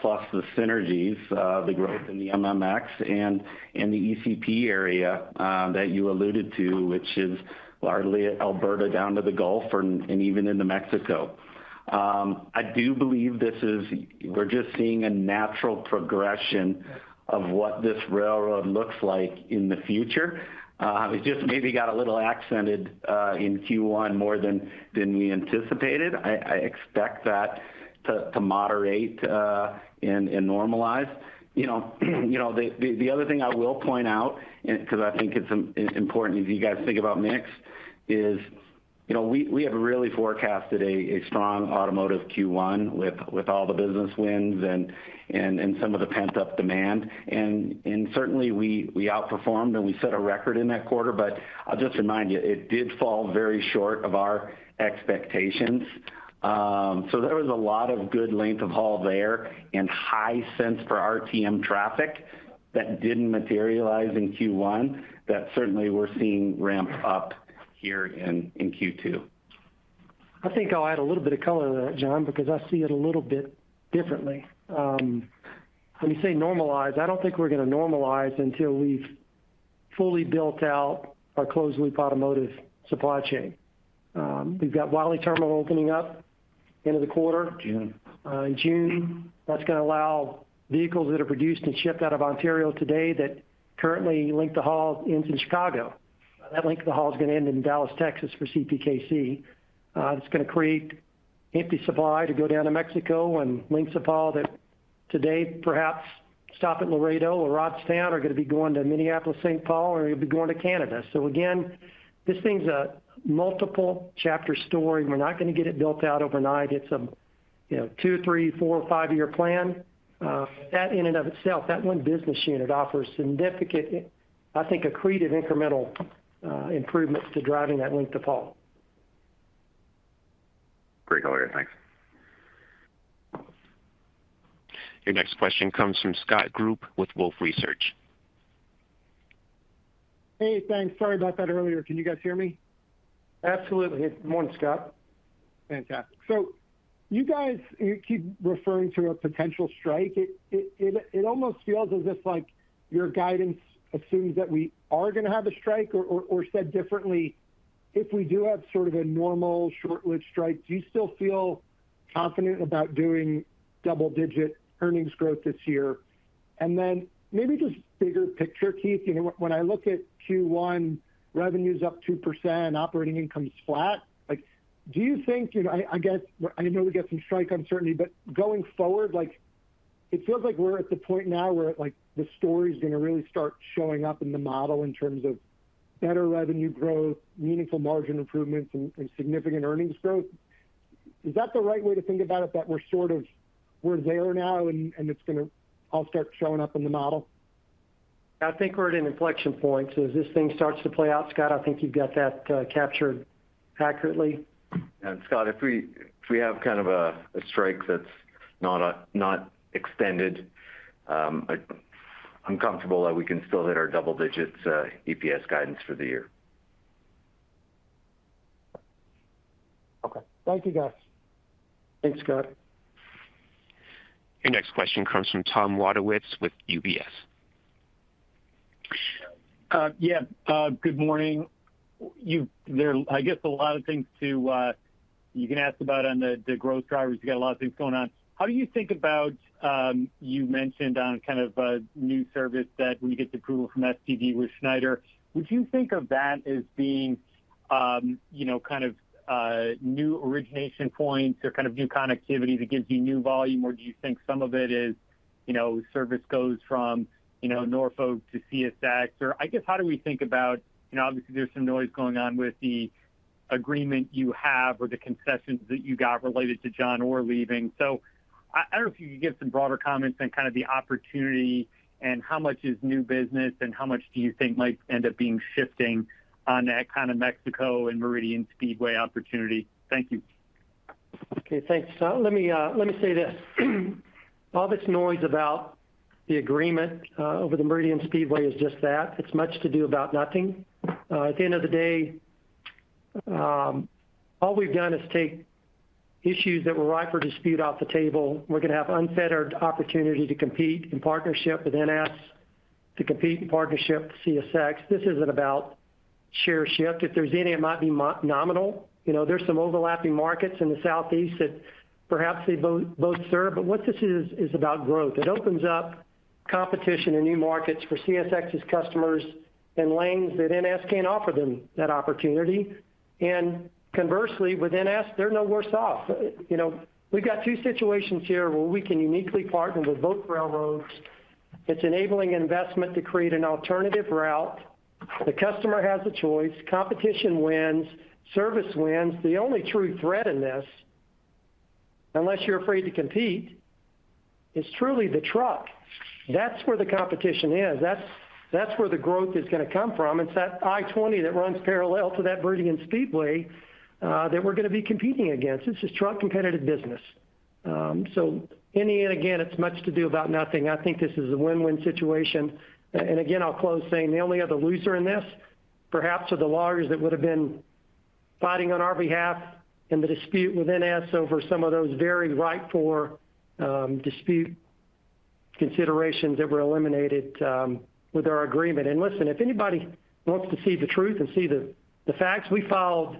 Speaker 5: plus the synergies, the growth in the MMX and in the ECP area, that you alluded to, which is largely Alberta down to the Gulf and even into Mexico. I do believe this is. We're just seeing a natural progression of what this railroad looks like in the future. It just maybe got a little accented in Q1 more than we anticipated. I expect that to moderate and normalize. You know, the other thing I will point out, and because I think it's important, as you guys think about mix, is, you know, we have really forecasted a strong automotive Q1 with all the business wins and some of the pent-up demand. And certainly we outperformed, and we set a record in that quarter, but I'll just remind you, it did fall very short of our expectations. So there was a lot of good length of haul there, and high cents per RTM traffic that didn't materialize in Q1, that certainly we're seeing ramp up here in Q2.
Speaker 3: I think I'll add a little bit of color to that, John, because I see it a little bit differently. When you say normalize, I don't think we're gonna normalize until we've fully built out our closed-loop automotive supply chain. We've got Wylie Terminal opening up end of the quarter.
Speaker 5: June.
Speaker 3: In June. That's gonna allow vehicles that are produced and shipped out of Ontario today that currently length of haul into Chicago. That length of the haul is going to end in Dallas, Texas, for CPKC. It's going to create empty supply to go down to Mexico, and lengths of haul that today perhaps stop at Laredo or Robstown, are going to be going to Minneapolis, St. Paul, or they'll be going to Canada. So again, this thing's a multiple chapter story. We're not going to get it built out overnight. It's a, you know, 2, 3, 4, 5-year plan. That in and of itself, that one business unit offers significant, I think, accretive incremental improvements to driving that length of haul.
Speaker 12: Great, earlier. Thanks.
Speaker 1: Your next question comes from Scott Group with Wolfe Research.
Speaker 13: Hey, thanks. Sorry about that earlier. Can you guys hear me?
Speaker 3: Absolutely. Good morning, Scott.
Speaker 13: Fantastic. So you guys, you keep referring to a potential strike. It almost feels as if like your guidance assumes that we are going to have a strike, or said differently, if we do have sort of a normal short-lived strike, do you still feel confident about doing double-digit earnings growth this year? And then maybe just bigger picture, Keith, you know, when I look at Q1, revenue is up 2%, operating income is flat. Like, do you think, you know, I guess, I know we got some strike uncertainty, but going forward, like, it feels like we're at the point now where, like, the story is going to really start showing up in the model in terms of better revenue growth, meaningful margin improvements, and significant earnings growth. Is that the right way to think about it, that we're sort of, we're there now, and, and it's going to all start showing up in the model?
Speaker 3: I think we're at an inflection point. So as this thing starts to play out, Scott, I think you've got that, captured accurately.
Speaker 5: Scott, if we have kind of a strike that's not extended, I'm comfortable that we can still hit our double-digit EPS guidance for the year.
Speaker 13: Okay. Thank you, guys.
Speaker 3: Thanks, Scott.
Speaker 1: Your next question comes from Tom Wadewitz, with UBS.
Speaker 14: Yeah, good morning. I guess a lot of things you can ask about on the growth drivers. You got a lot of things going on. How do you think about, you mentioned on kind of a new service that when you get the approval from STB with Schneider, would you think of that as being, you know, kind of new origination points or kind of new connectivity that gives you new volume? Or do you think some of it is, you know, service goes from, you know, Norfolk to CSX, or I guess, how do we think about you know, obviously, there's some noise going on with the agreement you have or the concessions that you got related to John Orr leaving. So I don't know if you could give some broader comments on kind of the opportunity and how much is new business, and how much do you think might end up being shifting on that kind of Mexico and Meridian Speedway opportunity? Thank you.
Speaker 3: Okay, thanks, Tom. Let me, let me say this, all this noise about the agreement over the Meridian Speedway is just that. It's much to do about nothing. At the end of the day, all we've done is take issues that were ripe for dispute off the table. We're going to have unfettered opportunity to compete in partnership with NS, to compete in partnership with CSX. This isn't about share shift. If there's any, it might be nominal. You know, there's some overlapping markets in the Southeast that perhaps they both serve, but what this is, is about growth. It opens up competition and new markets for CSX's customers and lanes that NS can't offer them that opportunity, and conversely, with NS, they're no worse off. You know, we've got two situations here where we can uniquely partner with both railroads. It's enabling investment to create an alternative route. The customer has a choice, competition wins, service wins. The only true threat in this, unless you're afraid to compete, is truly the truck. That's where the competition is. That's, that's where the growth is going to come from. It's that I-20 that runs parallel to that Meridian Speedway, that we're going to be competing against. This is truck competitive business. So in the end, again, it's much to do about nothing. I think this is a win-win situation. And again, I'll close saying the only other loser in this, perhaps, are the lawyers that would have been fighting on our behalf in the dispute with NS over some of those very ripe for dispute considerations that were eliminated with our agreement. And listen, if anybody wants to see the truth and see the facts, we filed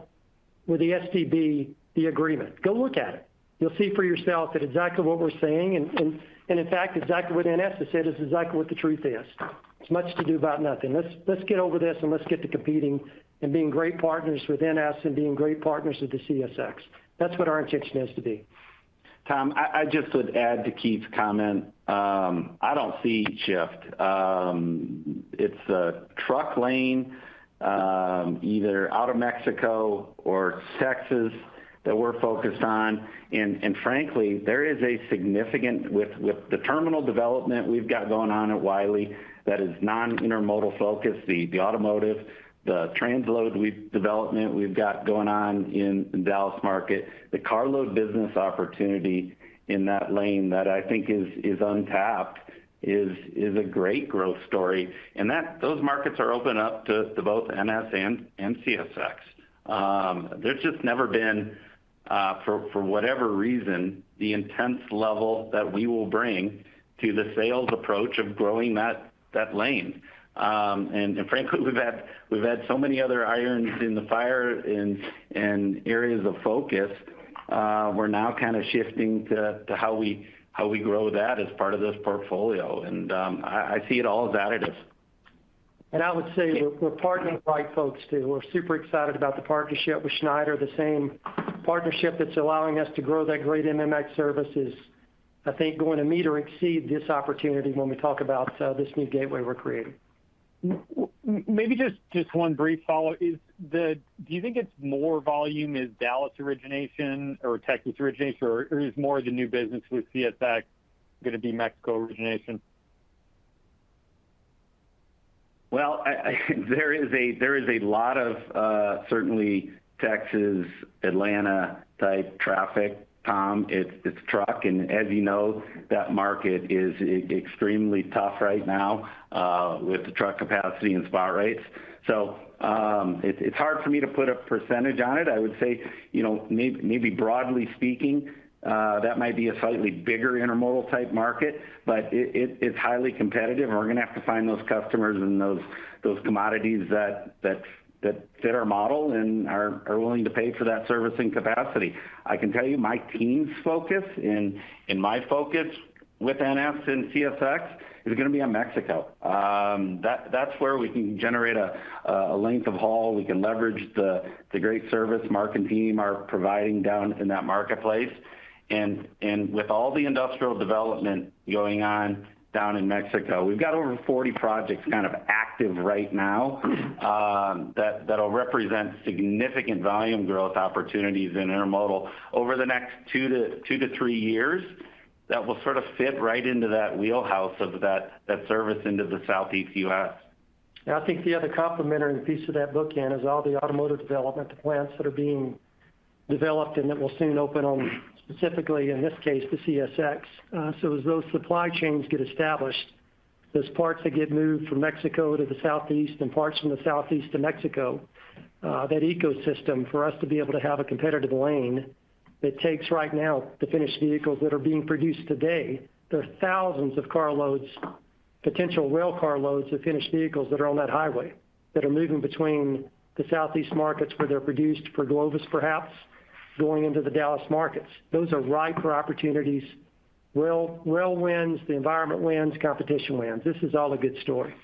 Speaker 3: with the STB the agreement. Go look at it. You'll see for yourself that exactly what we're saying, and in fact, exactly what NS has said is exactly what the truth is. It's much to do about nothing. Let's get over this and let's get to competing and being great partners with NS and being great partners with the CSX. That's what our intention is to be.
Speaker 5: Tom, I just would add to Keith's comment. I don't see a shift. It's a truck lane, either out of Mexico or Texas, that we're focused on. And frankly, there is a significant... With the terminal development we've got going on at Wylie that is non-intermodal focused, the automotive, the transload development we've got going on in the Dallas market, the carload business opportunity in that lane that I think is untapped, is a great growth story. And those markets are open up to both NS and CSX. There's just never been, for whatever reason, the intense level that we will bring to the sales approach of growing that lane. And frankly, we've had so many other irons in the fire in areas of focus-... We're now kind of shifting to how we grow that as part of this portfolio, and I see it all as additive.
Speaker 3: I would say we're partnering the right folks, too. We're super excited about the partnership with Schneider. The same partnership that's allowing us to grow that great MMX service is, I think, going to meet or exceed this opportunity when we talk about this new gateway we're creating.
Speaker 14: Maybe just one brief follow. Is the do you think it's more volume is Dallas origination or Texas origination, or is more of the new business with CSX gonna be Mexico origination?
Speaker 5: Well, there is a lot of certainly Texas, Atlanta-type traffic, Tom. It's truck, and as you know, that market is extremely tough right now, with the truck capacity and spot rates. So, it's hard for me to put a percentage on it. I would say, you know, maybe broadly speaking, that might be a slightly bigger intermodal-type market, but it's highly competitive, and we're gonna have to find those customers and those commodities that fit our model and are willing to pay for that service and capacity. I can tell you, my team's focus and my focus with NS and CSX is gonna be on Mexico. That's where we can generate a length of haul. We can leverage the great service Mark and team are providing down in that marketplace. And with all the industrial development going on down in Mexico, we've got over 40 projects kind of active right now, that'll represent significant volume growth opportunities in intermodal over the next 2-3 years, that will sort of fit right into that wheelhouse of that service into the Southeast U.S.
Speaker 3: I think the other complementary piece of that bookend is all the automotive development, the plants that are being developed, and that will soon open on, specifically, in this case, the CSX. So as those supply chains get established, those parts that get moved from Mexico to the southeast and parts from the southeast to Mexico, that ecosystem, for us to be able to have a competitive lane, it takes right now the finished vehicles that are being produced today. There are thousands of car loads, potential rail car loads of finished vehicles that are on that highway, that are moving between the southeast markets, where they're produced for Glovis, perhaps, going into the Dallas markets. Those are ripe for opportunities. Rail, rail wins, the environment wins, competition wins. This is all a good story.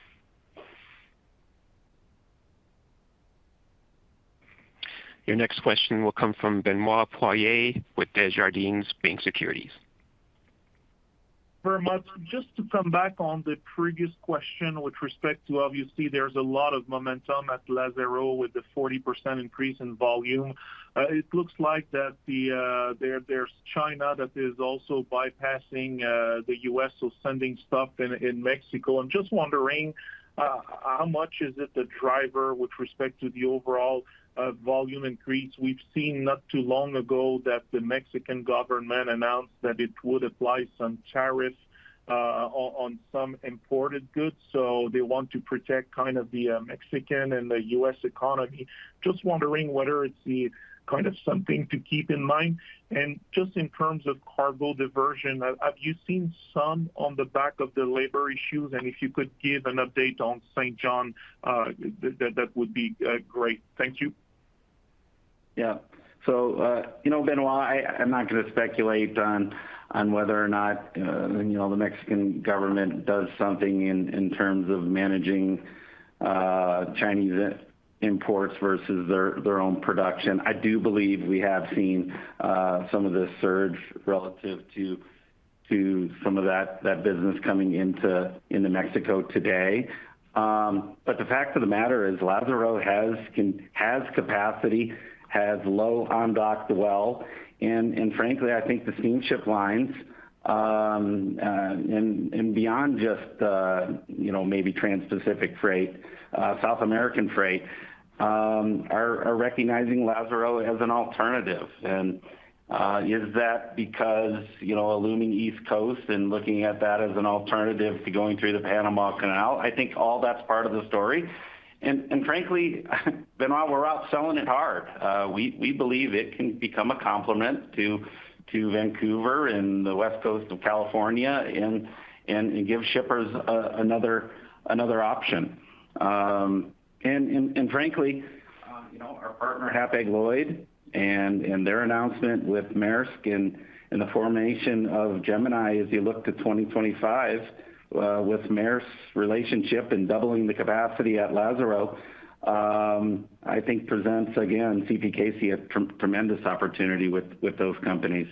Speaker 1: Your next question will come from Benoit Poirier with Desjardins Securities.
Speaker 15: Very much. Just to come back on the previous question, with respect to obviously, there's a lot of momentum at Lázaro with the 40% increase in volume. It looks like that there is China that is also bypassing the U.S., so sending stuff in Mexico. I'm just wondering how much is it the driver with respect to the overall volume increase? We've seen not too long ago that the Mexican government announced that it would apply some tariffs on some imported goods, so they want to protect kind of the Mexican and the U.S. economy. Just wondering whether it's the kind of something to keep in mind? And just in terms of cargo diversion, have you seen some on the back of the labor issues? If you could give an update on Saint John, that would be great. Thank you.
Speaker 5: Yeah. So, you know, Benoit, I'm not gonna speculate on whether or not, you know, the Mexican government does something in terms of managing Chinese imports versus their own production. I do believe we have seen some of the surge relative to some of that business coming into Mexico today. But the fact of the matter is, Lázaro has capacity, has low on-dock dwell, and frankly, I think the steamship lines and beyond just, you know, maybe Transpacific freight, South American freight, are recognizing Lázaro as an alternative. And is that because, you know, a looming East Coast and looking at that as an alternative to going through the Panama Canal? I think all that's part of the story. Frankly, Benoit, we're out selling it hard. We believe it can become a complement to Vancouver and the West Coast of California, and give shippers another option. Frankly, you know, our partner, Hapag-Lloyd, and their announcement with Maersk and the formation of Gemini, as you look to 2025, with Maersk's relationship in doubling the capacity at Lázaro, I think presents again CPKC a tremendous opportunity with those companies.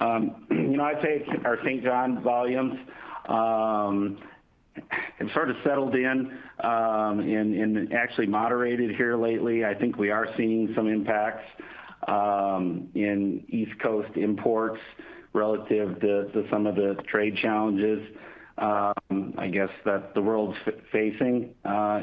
Speaker 5: You know, I'd say our Saint John volumes have sort of settled in and actually moderated here lately. I think we are seeing some impacts in East Coast imports relative to some of the trade challenges, I guess, that the world's facing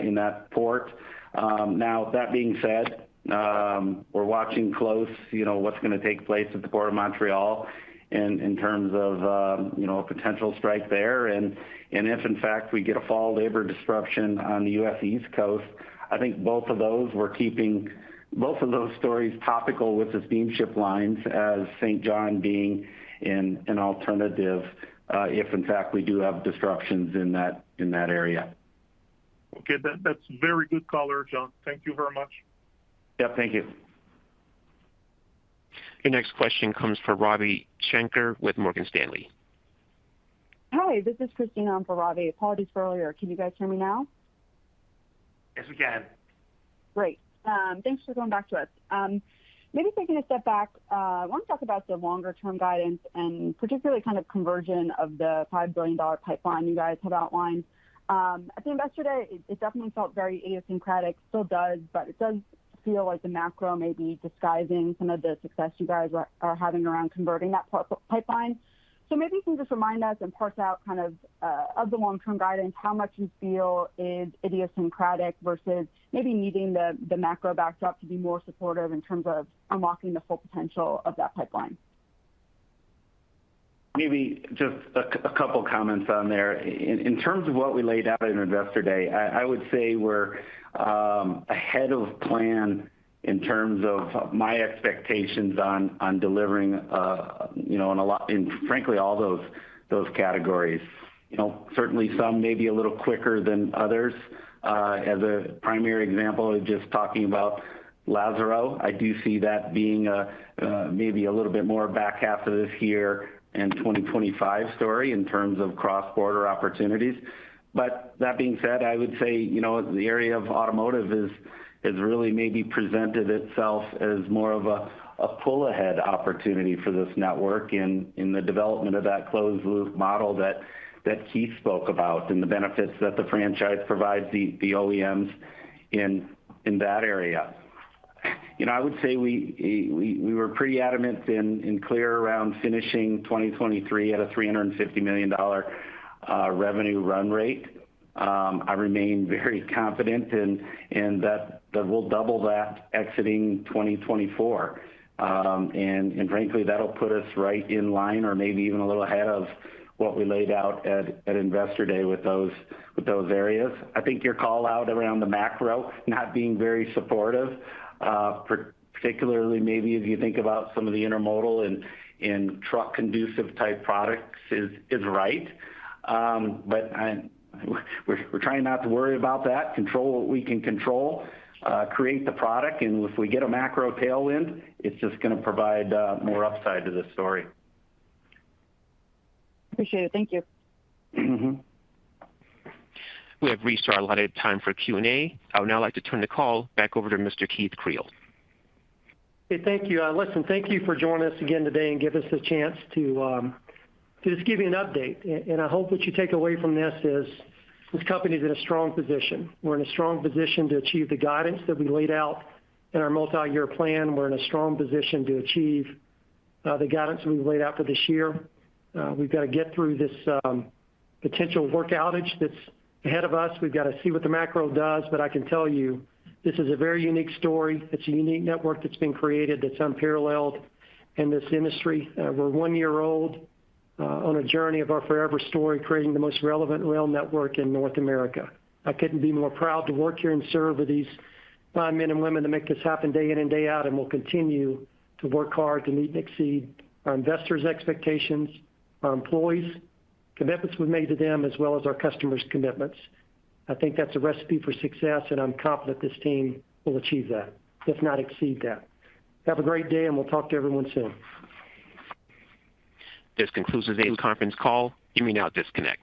Speaker 5: in that port. Now, that being said, we're watching close, you know, what's gonna take place at the Port of Montreal in, in terms of, you know, a potential strike there. And, and if in fact, we get a fall labor disruption on the U.S. East Coast, I think both of those we're keeping both of those stories topical with the steamship lines as Saint John being an, an alternative, if in fact, we do have disruptions in that, in that area....
Speaker 15: Okay, that's very good color, John. Thank you very much.
Speaker 5: Yeah, thank you.
Speaker 1: Your next question comes from Ravi Shanker with Morgan Stanley.
Speaker 16: Hi, this is Christina on for Ravi. Apologies for earlier. Can you guys hear me now?
Speaker 5: Yes, we can.
Speaker 16: Great. Thanks for coming back to us. Maybe taking a step back, I want to talk about the longer-term guidance, and particularly kind of conversion of the $5 billion pipeline you guys had outlined. At the Investor Day, it, it definitely felt very idiosyncratic. Still does, but it does feel like the macro may be disguising some of the success you guys are, are having around converting that pipeline. So maybe you can just remind us and parse out kind of, of the long-term guidance, how much you feel is idiosyncratic versus maybe needing the, the macro backdrop to be more supportive in terms of unlocking the full potential of that pipeline?
Speaker 5: Maybe just a couple comments on there. In terms of what we laid out at Investor Day, I would say we're ahead of plan in terms of my expectations on delivering, you know, in a lot, and frankly, all those categories. You know, certainly some may be a little quicker than others. As a primary example, just talking about Lázaro, I do see that being a maybe a little bit more back half of this year and 2025 story in terms of cross-border opportunities. But that being said, I would say, you know, the area of automotive has really maybe presented itself as more of a pull-ahead opportunity for this network in the development of that closed-loop model that Keith spoke about, and the benefits that the franchise provides the OEMs in that area. You know, I would say we were pretty adamant and clear around finishing 2023 at a $350 million revenue run rate. I remain very confident in that we'll double that exiting 2024. And frankly, that'll put us right in line or maybe even a little ahead of what we laid out at Investor Day with those areas. I think your call out around the macro not being very supportive, particularly maybe if you think about some of the intermodal and truck-conducive type products is right. But we're trying not to worry about that. Control what we can control, create the product, and if we get a macro tailwind, it's just gonna provide more upside to the story.
Speaker 16: Appreciate it. Thank you.
Speaker 5: Mm-hmm.
Speaker 1: We have reached our allotted time for Q&A. I would now like to turn the call back over to Mr. Keith Creel.
Speaker 3: Hey, thank you. Listen, thank you for joining us again today and giving us the chance to just give you an update. And I hope what you take away from this is, this company's in a strong position. We're in a strong position to achieve the guidance that we laid out in our multi-year plan. We're in a strong position to achieve the guidance we've laid out for this year. We've got to get through this potential work outage that's ahead of us. We've got to see what the macro does, but I can tell you, this is a very unique story. It's a unique network that's been created, that's unparalleled in this industry. We're one year old on a journey of our forever story, creating the most relevant rail network in North America. I couldn't be more proud to work here and serve with these fine men and women to make this happen day in and day out, and we'll continue to work hard to meet and exceed our investors' expectations, our employees, commitments we've made to them, as well as our customers' commitments. I think that's a recipe for success, and I'm confident this team will achieve that, if not exceed that. Have a great day, and we'll talk to everyone soon.
Speaker 1: This concludes today's conference call. You may now disconnect.